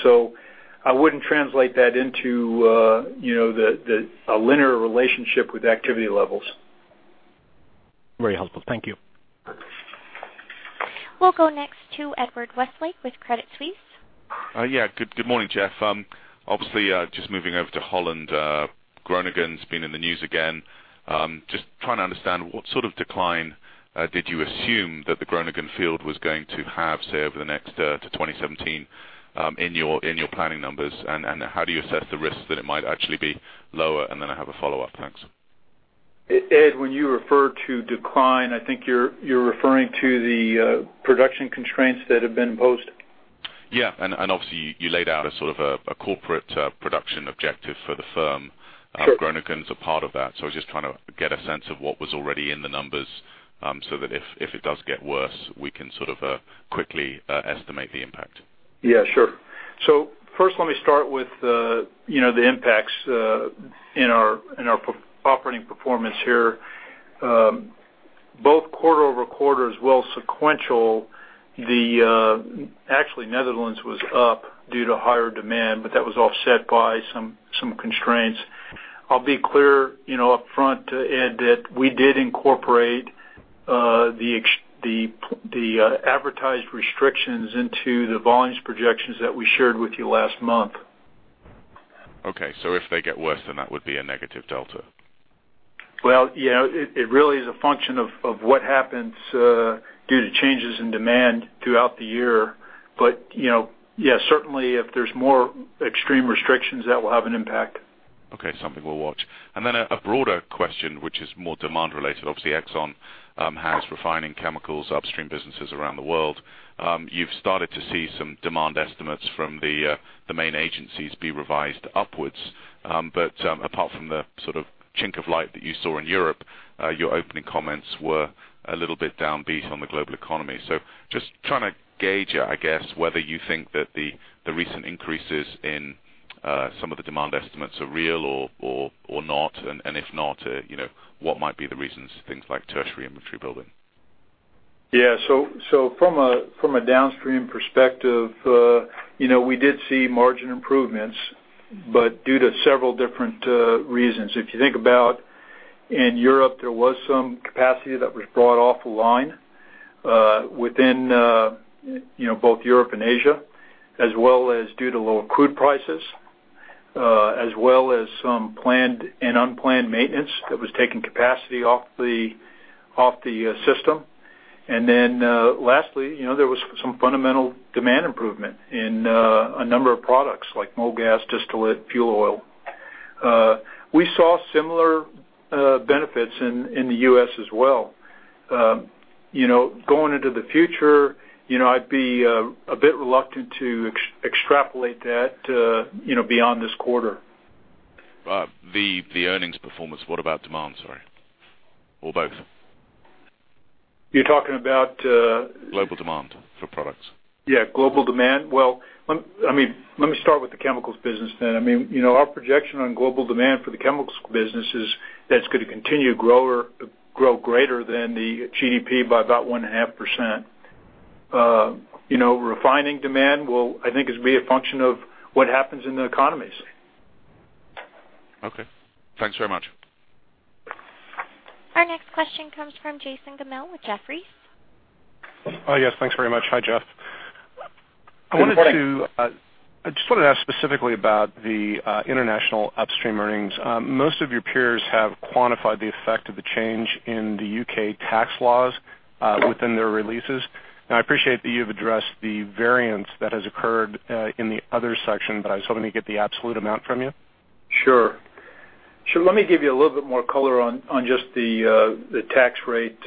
I wouldn't translate that into a linear relationship with activity levels. Very helpful. Thank you. We'll go next to Edward Westlake with Credit Suisse. Yeah. Good morning, Jeff. Obviously, just moving over to Holland, Groningen's been in the news again. Just trying to understand what sort of decline did you assume that the Groningen field was going to have, say, over the next to 2017, in your planning numbers, and how do you assess the risk that it might actually be lower? Then I have a follow-up. Thanks. Ed, when you refer to decline, I think you're referring to the production constraints that have been imposed. Yeah. Obviously, you laid out a corporate production objective for the firm. Sure. Groningen's a part of that, so I was just trying to get a sense of what was already in the numbers, so that if it does get worse, we can quickly estimate the impact. Yeah, sure. First, let me start with the impacts in our operating performance here. Both quarter-over-quarter as well sequential, actually Netherlands was up due to higher demand, but that was offset by some constraints. I'll be clear upfront, Ed, that we did incorporate the advertised restrictions into the volumes projections that we shared with you last month. Okay. If they get worse, then that would be a negative delta. Yeah. It really is a function of what happens due to changes in demand throughout the year. Yeah, certainly if there's more extreme restrictions, that will have an impact. Okay. Something we'll watch. A broader question, which is more demand related. Obviously, ExxonMobil has refining chemicals, upstream businesses around the world. You've started to see some demand estimates from the main agencies be revised upwards. Apart from the chink of light that you saw in Europe, your opening comments were a little bit downbeat on the global economy. Just trying to gauge, I guess, whether you think that the recent increases in some of the demand estimates are real or not. If not, what might be the reasons, things like tertiary inventory building? Yeah. From a downstream perspective, we did see margin improvements, but due to several different reasons. If you think about in Europe, there was some capacity that was brought offline within both Europe and Asia, as well as due to lower crude prices, as well as some planned and unplanned maintenance that was taking capacity off the system. Lastly, there was some fundamental demand improvement in a number of products like mogas, distillate, fuel oil. We saw similar benefits in the U.S. as well. Going into the future, I'd be a bit reluctant to extrapolate that beyond this quarter. The earnings performance. What about demand? Sorry. Both? You're talking about. Global demand for products. Yeah, global demand. Well, let me start with the chemicals business then. Our projection on global demand for the chemicals business is that it's going to continue to grow greater than the GDP by about 1.5%. Refining demand will, I think, be a function of what happens in the economies. Okay. Thanks very much. Our next question comes from Jason Gammel with Jefferies. Yes, thanks very much. Hi, Jeff. Good morning. I just wanted to ask specifically about the international upstream earnings. Most of your peers have quantified the effect of the change in the U.K. tax laws within their releases. Now, I appreciate that you've addressed the variance that has occurred in the other section, but I was hoping to get the absolute amount from you. Sure. Let me give you a little bit more color on just the tax rate. As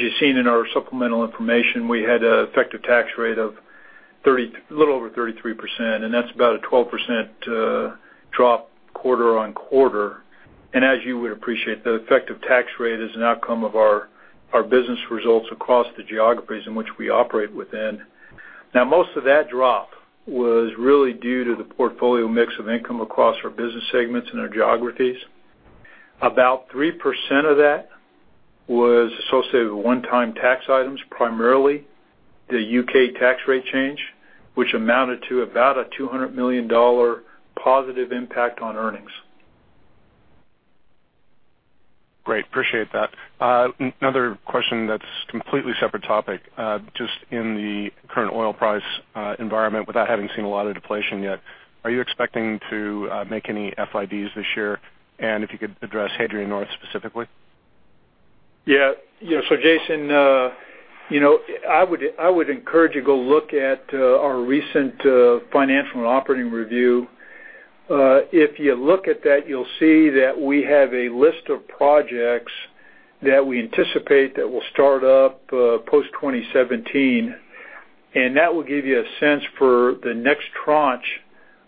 you've seen in our supplemental information, we had an effective tax rate of a little over 33%, and that's about a 12% drop quarter-on-quarter. As you would appreciate, the effective tax rate is an outcome of our business results across the geographies in which we operate within. Most of that drop was really due to the portfolio mix of income across our business segments and our geographies. About 3% of that was associated with one-time tax items, primarily the U.K. tax rate change, which amounted to about a $200 million positive impact on earnings. Great. Appreciate that. Another question that's completely separate topic. Just in the current oil price environment, without having seen a lot of deflation yet, are you expecting to make any FIDs this year? If you could address Hadrian North specifically. Jason, I would encourage you to go look at our recent financial and operating review. If you look at that, you'll see that we have a list of projects that we anticipate that will start up post 2017, That will give you a sense for the next tranche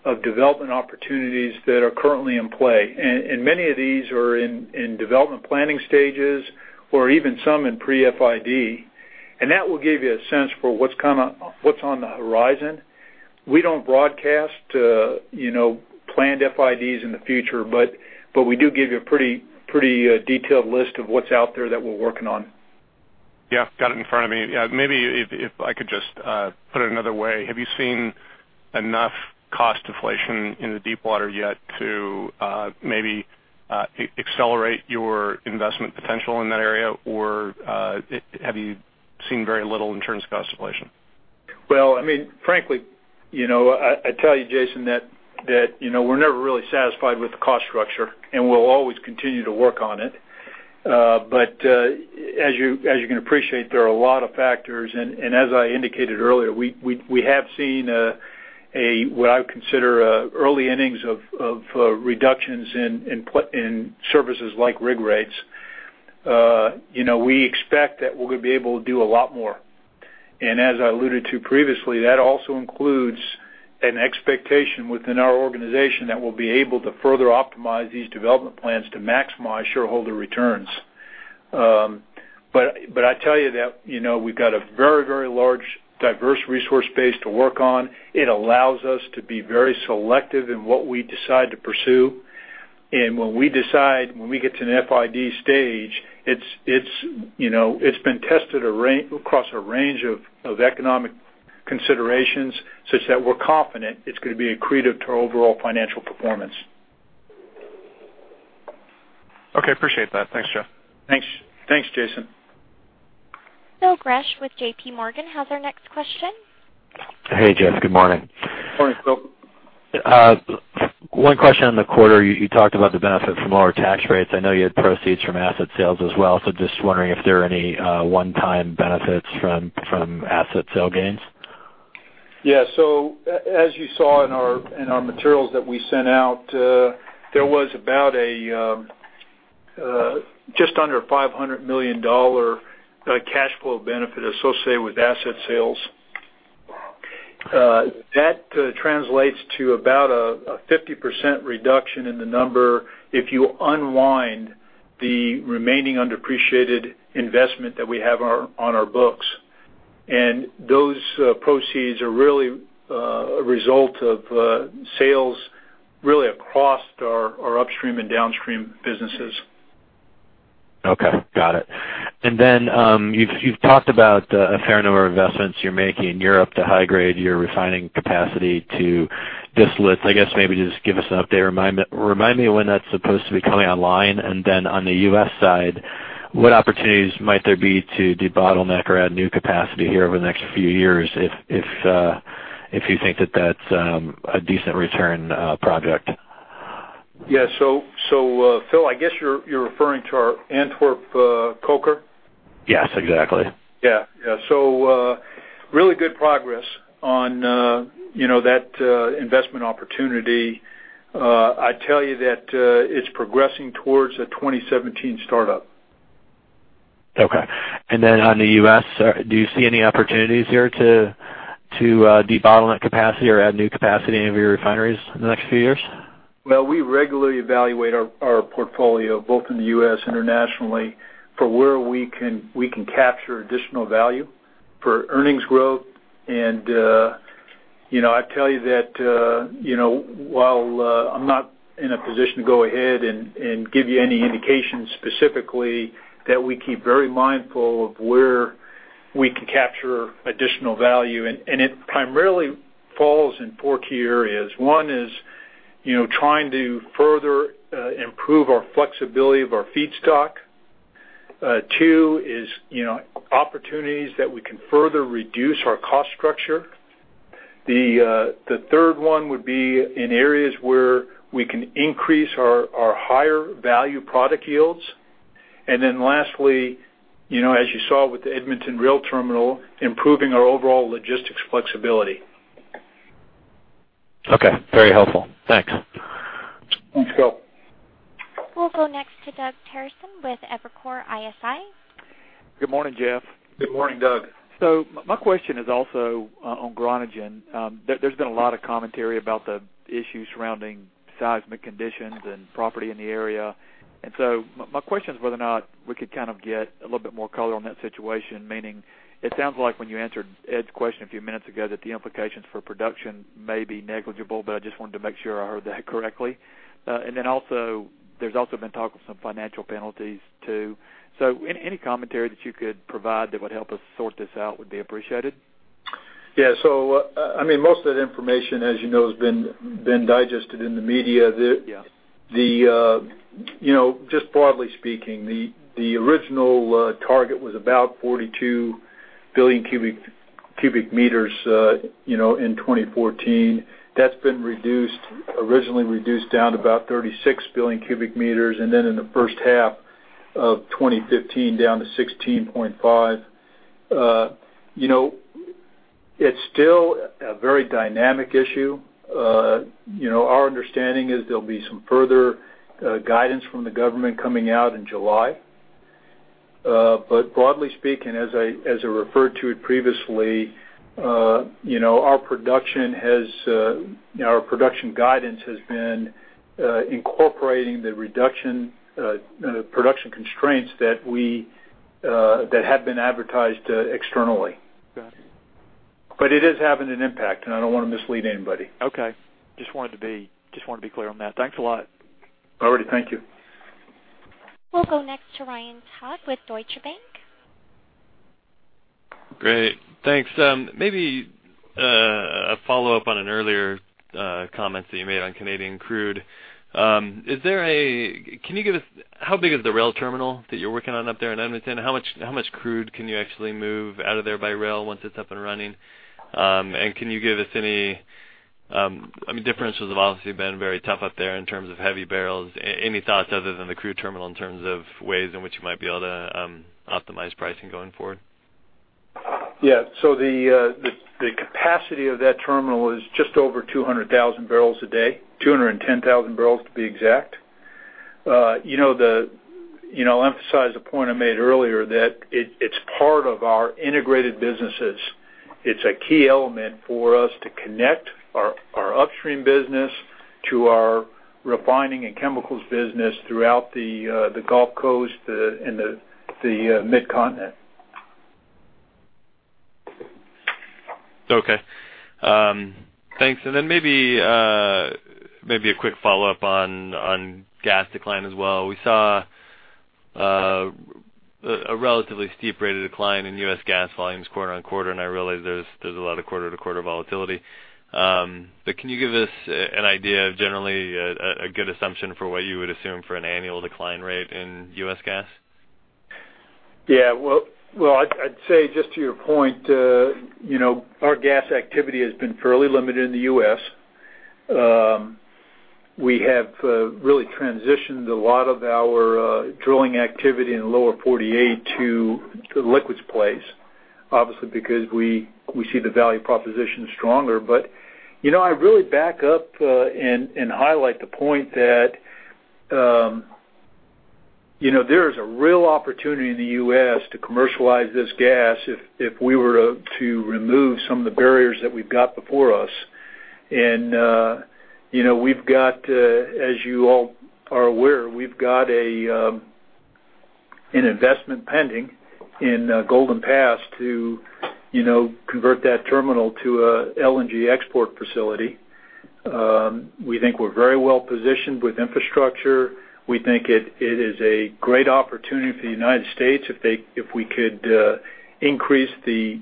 of development opportunities that are currently in play. Many of these are in development planning stages or even some in pre-FID, That will give you a sense for what's on the horizon. We don't broadcast planned FIDs in the future, We do give you a pretty detailed list of what's out there that we're working on. Got it in front of me. Maybe if I could just put it another way, have you seen enough cost deflation in the deep water yet to maybe accelerate your investment potential in that area? Have you seen very little in terms of cost deflation? Well, frankly, I tell you, Jason, that we're never really satisfied with the cost structure. We'll always continue to work on it. As you can appreciate, there are a lot of factors. As I indicated earlier, we have seen what I would consider early innings of reductions in services like rig rates. We expect that we're going to be able to do a lot more. As I alluded to previously, that also includes an expectation within our organization that we'll be able to further optimize these development plans to maximize shareholder returns. I tell you that we've got a very large, diverse resource base to work on. It allows us to be very selective in what we decide to pursue. When we decide, when we get to an FID stage, it's been tested across a range of economic considerations such that we're confident it's going to be accretive to our overall financial performance. Okay, appreciate that. Thanks, Jeff. Thanks, Jason. Phil Gresh with JPMorgan has our next question. Hey, Jeff. Good morning. Morning, Phil. One question on the quarter, you talked about the benefit from lower tax rates. I know you had proceeds from asset sales as well. Just wondering if there are any one-time benefits from asset sale gains. As you saw in our materials that we sent out, there was about just under a $500 million cash flow benefit associated with asset sales. That translates to about a 50% reduction in the number if you unwind the remaining undepreciated investment that we have on our books. Those proceeds are really a result of sales really across our upstream and downstream businesses. Okay. Got it. Then you've talked about a fair number of investments you're making in Europe to high-grade your refining capacity to distillates. I guess maybe just give us an update. Remind me of when that's supposed to be coming online, then on the U.S. side, what opportunities might there be to debottleneck or add new capacity here over the next few years if you think that that's a decent return project? Phil, I guess you're referring to our Antwerp Coker? Yes, exactly. Good progress on that investment opportunity. I tell you that it's progressing towards a 2017 startup. Okay. On the U.S., do you see any opportunities there to debottleneck capacity or add new capacity in any of your refineries in the next few years? Well, we regularly evaluate our portfolio, both in the U.S., internationally, for where we can capture additional value for earnings growth. I tell you that while I'm not in a position to go ahead and give you any indications specifically, that we keep very mindful of where we can capture additional value. It primarily falls in four key areas. One is trying to further improve our flexibility of our feedstock. Two is opportunities that we can further reduce our cost structure. The third one would be in areas where we can increase our higher value product yields. Lastly, as you saw with the Edmonton rail terminal, improving our overall logistics flexibility. Okay. Very helpful. Thanks. Thanks, Phil. We'll go next to Doug Terreson with Evercore ISI. Good morning, Jeff. Good morning, Doug. My question is also on Groningen. There's been a lot of commentary about the issues surrounding seismic conditions and property in the area. My question is whether or not we could get a little bit more color on that situation, meaning it sounds like when you answered Ed's question a few minutes ago, that the implications for production may be negligible, but I just wanted to make sure I heard that correctly. Then there's also been talk of some financial penalties, too. Any commentary that you could provide that would help us sort this out would be appreciated. Yeah. Most of the information, as you know, has been digested in the media. Yeah. Just broadly speaking, the original target was about 42 billion cubic meters in 2014. That's been originally reduced down to about 36 billion cubic meters, then in the first half of 2015, down to 16.5. It's still a very dynamic issue. Our understanding is there'll be some further guidance from the government coming out in July. Broadly speaking, as I referred to it previously our production guidance has been incorporating the production constraints that had been advertised externally. Got it. It is having an impact, and I don't want to mislead anybody. Okay. Just wanted to be clear on that. Thanks a lot. All righty. Thank you. We'll go next to Ryan Todd with Deutsche Bank. Great. Thanks. Maybe a follow-up on an earlier comment that you made on Canadian crude. How big is the rail terminal that you're working on up there in Edmonton? How much crude can you actually move out of there by rail once it's up and running? Can you give us any differentials have obviously been very tough up there in terms of heavy barrels. Any thoughts other than the crude terminal in terms of ways in which you might be able to optimize pricing going forward? Yeah. The capacity of that terminal is just over 200,000 barrels a day, 210,000 barrels to be exact. I'll emphasize the point I made earlier that it's part of our integrated businesses. It's a key element for us to connect our upstream business to our refining and chemicals business throughout the Gulf Coast and the Mid-Continent. Okay. Thanks. Maybe a quick follow-up on gas decline as well. We saw a relatively steep rate of decline in U.S. gas volumes quarter on quarter, and I realize there's a lot of quarter-to-quarter volatility. Can you give us an idea of generally a good assumption for what you would assume for an annual decline rate in U.S. gas? Yeah. Well, I'd say, just to your point, our gas activity has been fairly limited in the U.S. We have really transitioned a lot of our drilling activity in the Lower 48 to liquids plays, obviously, because we see the value proposition stronger. I really back up and highlight the point that there is a real opportunity in the U.S. to commercialize this gas if we were to remove some of the barriers that we've got before us. As you all are aware, we've got an investment pending in Golden Pass to convert that terminal to a LNG export facility. We think we're very well positioned with infrastructure. We think it is a great opportunity for the United States if we could increase the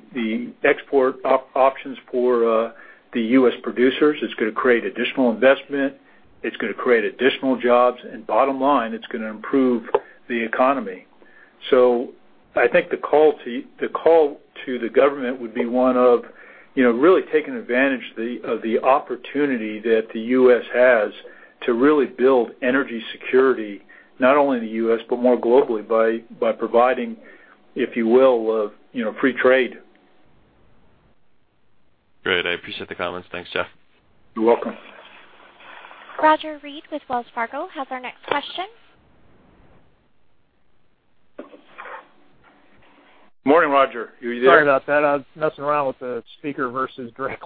export options for the U.S. producers. It's going to create additional investment, it's going to create additional jobs. Bottom line, it's going to improve the economy. I think the call to the government would be one of really taking advantage of the opportunity that the U.S. has to really build energy security not only in the U.S., but more globally by providing, if you will, free trade. Great. I appreciate the comments. Thanks, Jeff. You're welcome. Roger Read with Wells Fargo has our next question. Morning, Roger. Are you there? Sorry about that. I was messing around with the speaker versus direct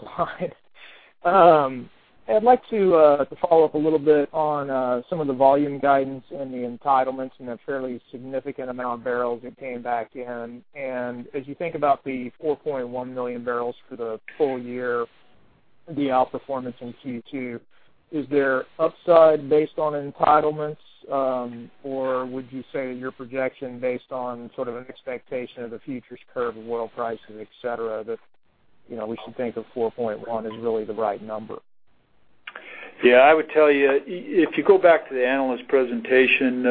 line. I'd like to follow up a little bit on some of the volume guidance and the entitlements and the fairly significant amount of barrels that came back in. As you think about the 4.1 million barrels for the full year, the outperformance in Q2, is there upside based on entitlements? Or would you say that your projection based on sort of an expectation of the futures curve of oil prices, et cetera, that we should think of 4.1 as really the right number? I would tell you, if you go back to the analyst presentation,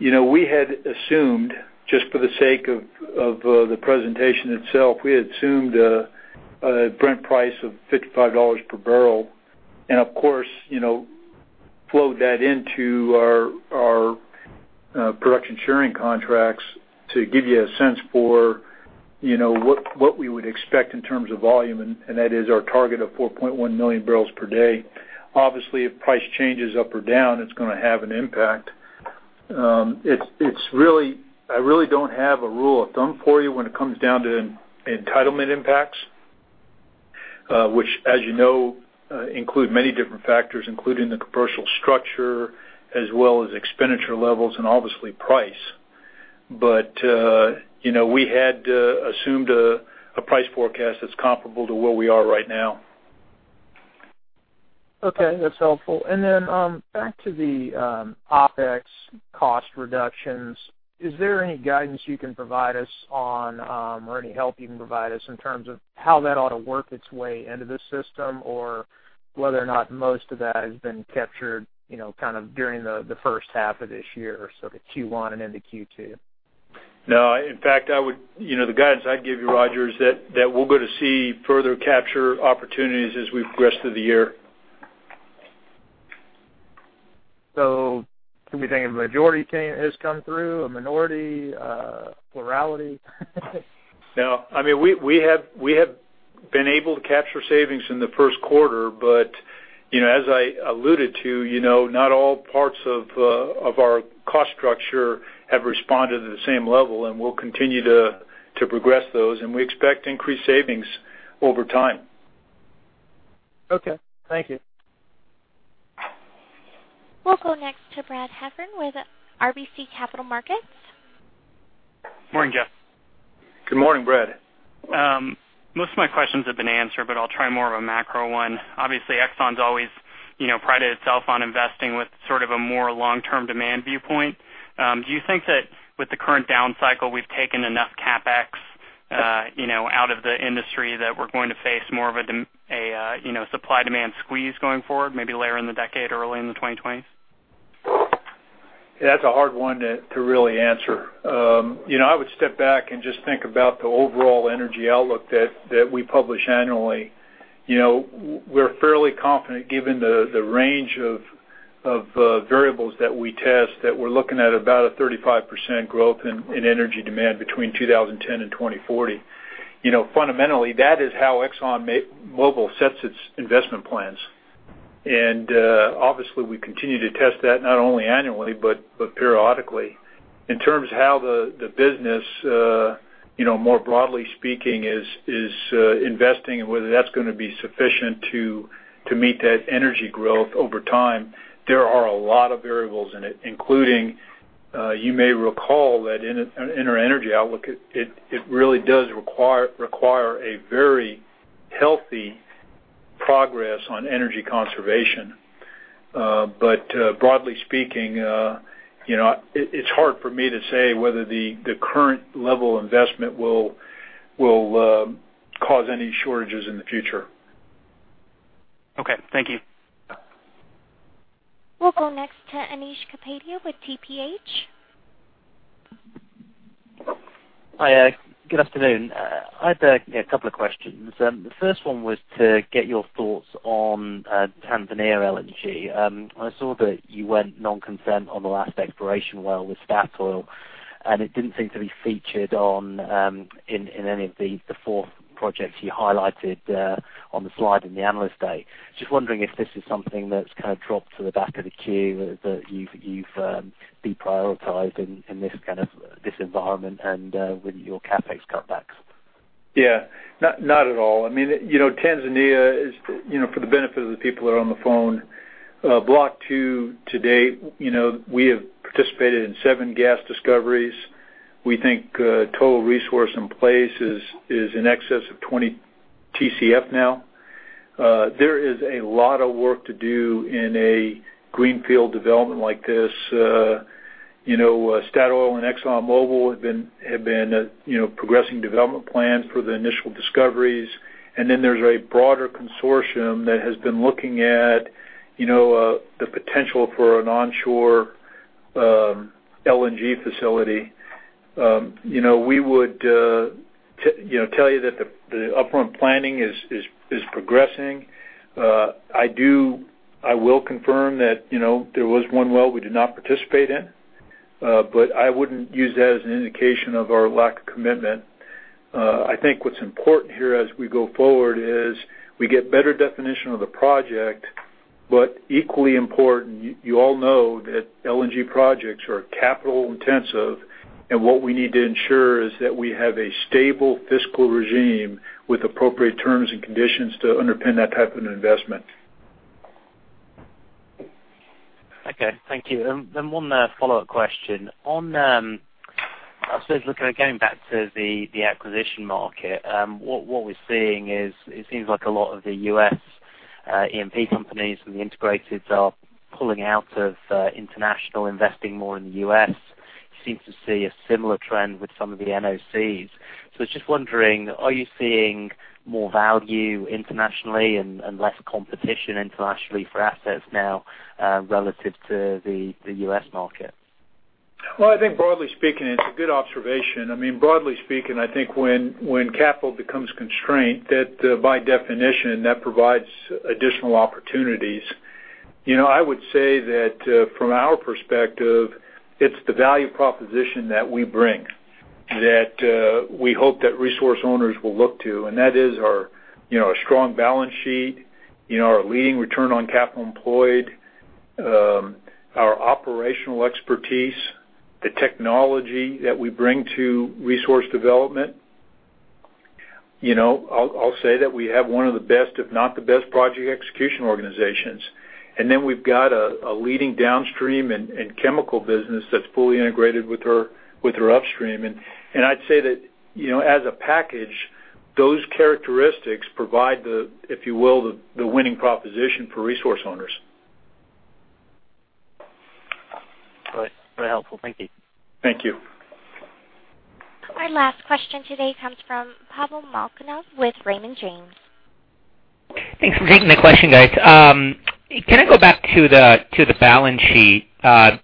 we had assumed, just for the sake of the presentation itself, we had assumed a Brent price of $55 per barrel and of course, flowed that into our production sharing contracts to give you a sense for what we would expect in terms of volume, and that is our target of 4.1 million barrels per day. Obviously, if price changes up or down, it's going to have an impact. I really don't have a rule of thumb for you when it comes down to entitlement impacts, which as you know include many different factors, including the commercial structure as well as expenditure levels and obviously price. We had assumed a price forecast that's comparable to where we are right now. Okay, that's helpful. Then, back to the OpEx cost reductions. Is there any guidance you can provide us on or any help you can provide us in terms of how that ought to work its way into the system, or whether or not most of that has been captured during the first half of this year, so the Q1 and into Q2? No, in fact, the guidance I'd give you, Roger, is that we'll go to see further capture opportunities as we progress through the year. Should we think a majority has come through, a minority, a plurality? No. We have been able to capture savings in the first quarter, but as I alluded to, not all parts of our cost structure have responded at the same level, and we'll continue to progress those, and we expect increased savings over time. Okay. Thank you. We'll go next to Brad Heffern with RBC Capital Markets. Morning, Jeff. Good morning, Brad. Most of my questions have been answered. I'll try more of a macro one. Obviously, Exxon's always prided itself on investing with sort of a more long-term demand viewpoint. Do you think that with the current down cycle, we've taken enough CapEx out of the industry that we're going to face more of a supply-demand squeeze going forward, maybe later in the decade, early in the 2020s? That's a hard one to really answer. I would step back and just think about the overall energy outlook that we publish annually. We're fairly confident given the range of variables that we test, that we're looking at about a 35% growth in energy demand between 2010 and 2040. Fundamentally, that is how ExxonMobil sets its investment plans. Obviously we continue to test that not only annually, but periodically. In terms of how the business more broadly speaking is investing and whether that's going to be sufficient to meet that energy growth over time, there are a lot of variables in it, including, you may recall that in our energy outlook, it really does require a very healthy progress on energy conservation. Broadly speaking it's hard for me to say whether the current level investment will cause any shortages in the future. Okay. Thank you. We'll go next to Anish Kapadia with TPH. Hi. Good afternoon. I had a couple of questions. The first one was to get your thoughts on Tanzania LNG. I saw that you went non-consent on the last exploration well with Statoil. It didn't seem to be featured in any of the four projects you highlighted on the slide in the Analyst Meeting. Just wondering if this is something that's kind of dropped to the back of the queue that you've deprioritized in this environment and with your CapEx cutbacks. Yeah. Not at all. Tanzania is, for the benefit of the people that are on the phone, Block 2 to date, we have participated in seven gas discoveries. We think total resource in place is in excess of 20 TCF now. There is a lot of work to do in a greenfield development like this. Statoil and ExxonMobil have been progressing development plans for the initial discoveries. Then there's a broader consortium that has been looking at the potential for an onshore LNG facility. We would tell you that the upfront planning is progressing. I will confirm that there was one well we did not participate in. I wouldn't use that as an indication of our lack of commitment. I think what's important here as we go forward is we get better definition of the project. Equally important, you all know that LNG projects are capital intensive. What we need to ensure is that we have a stable fiscal regime with appropriate terms and conditions to underpin that type of an investment. Okay, thank you. Then one follow-up question. I suppose, going back to the acquisition market. What we're seeing is it seems like a lot of the U.S. E&P companies and the integrated are pulling out of international, investing more in the U.S. You seem to see a similar trend with some of the NOCs. I was just wondering, are you seeing more value internationally and less competition internationally for assets now relative to the U.S. market? Well, I think broadly speaking, it's a good observation. Broadly speaking, I think when capital becomes constrained, that by definition, that provides additional opportunities. I would say that from our perspective, it's the value proposition that we bring that we hope that resource owners will look to, and that is our strong balance sheet, our leading return on capital employed, our operational expertise, the technology that we bring to resource development. I'll say that we have one of the best, if not the best project execution organizations. Then we've got a leading downstream and chemical business that's fully integrated with our upstream. I'd say that, as a package, those characteristics provide the, if you will, the winning proposition for resource owners. Very helpful. Thank you. Thank you. Our last question today comes from Pavel Molchanov with Raymond James. Thanks for taking the question, guys. Can I go back to the balance sheet?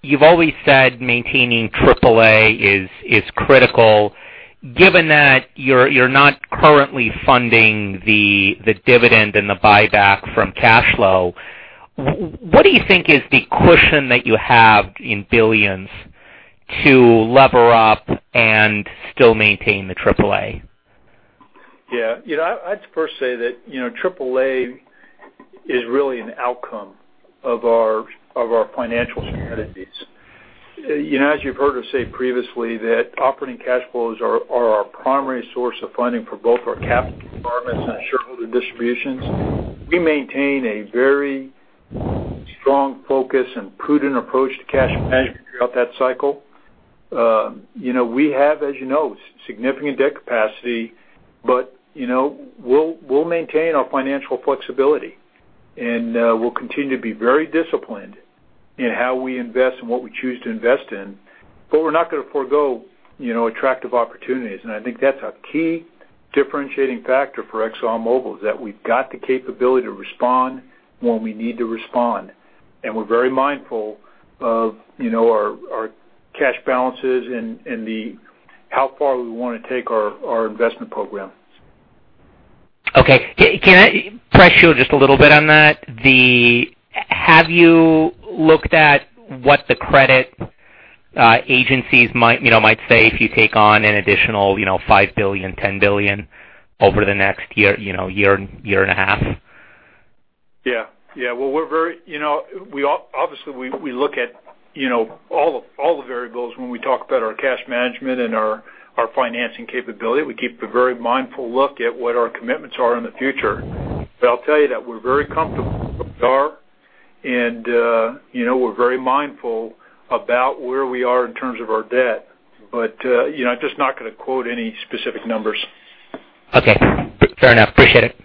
You've always said maintaining AAA is critical. Given that you're not currently funding the dividend and the buyback from cash flow, what do you think is the cushion that you have in billions to lever up and still maintain the AAA? I'd first say that AAA is really an outcome of our financial strategies. As you've heard us say previously that operating cash flows are our primary source of funding for both our capital requirements and shareholder distributions. We maintain a very strong focus and prudent approach to cash management throughout that cycle. We have, as you know, significant debt capacity, but we'll maintain our financial flexibility, and we'll continue to be very disciplined in how we invest and what we choose to invest in. We're not going to forego attractive opportunities, and I think that's a key differentiating factor for ExxonMobil, is that we've got the capability to respond when we need to respond. We're very mindful of our cash balances and how far we want to take our investment program. Okay. Can I press you just a little bit on that? Have you looked at what the credit agencies might say if you take on an additional $5 billion, $10 billion over the next year and a half? Obviously, we look at all the variables when we talk about our cash management and our financing capability. We keep a very mindful look at what our commitments are in the future. I'll tell you that we're very comfortable where we are, and we're very mindful about where we are in terms of our debt. I'm just not going to quote any specific numbers. Okay. Fair enough. Appreciate it.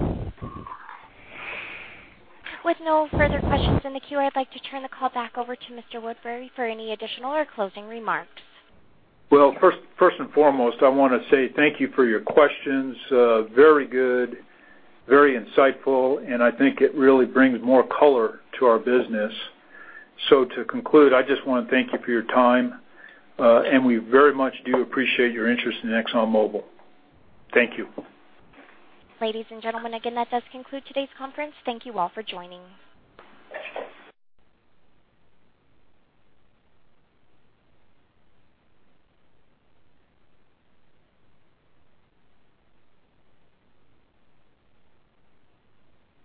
With no further questions in the queue, I'd like to turn the call back over to Mr. Woodbury for any additional or closing remarks. Well, first and foremost, I want to say thank you for your questions. Very good, very insightful, and I think it really brings more color to our business. To conclude, I just want to thank you for your time, and we very much do appreciate your interest in ExxonMobil. Thank you. Ladies and gentlemen, again, that does conclude today's conference. Thank you all for joining.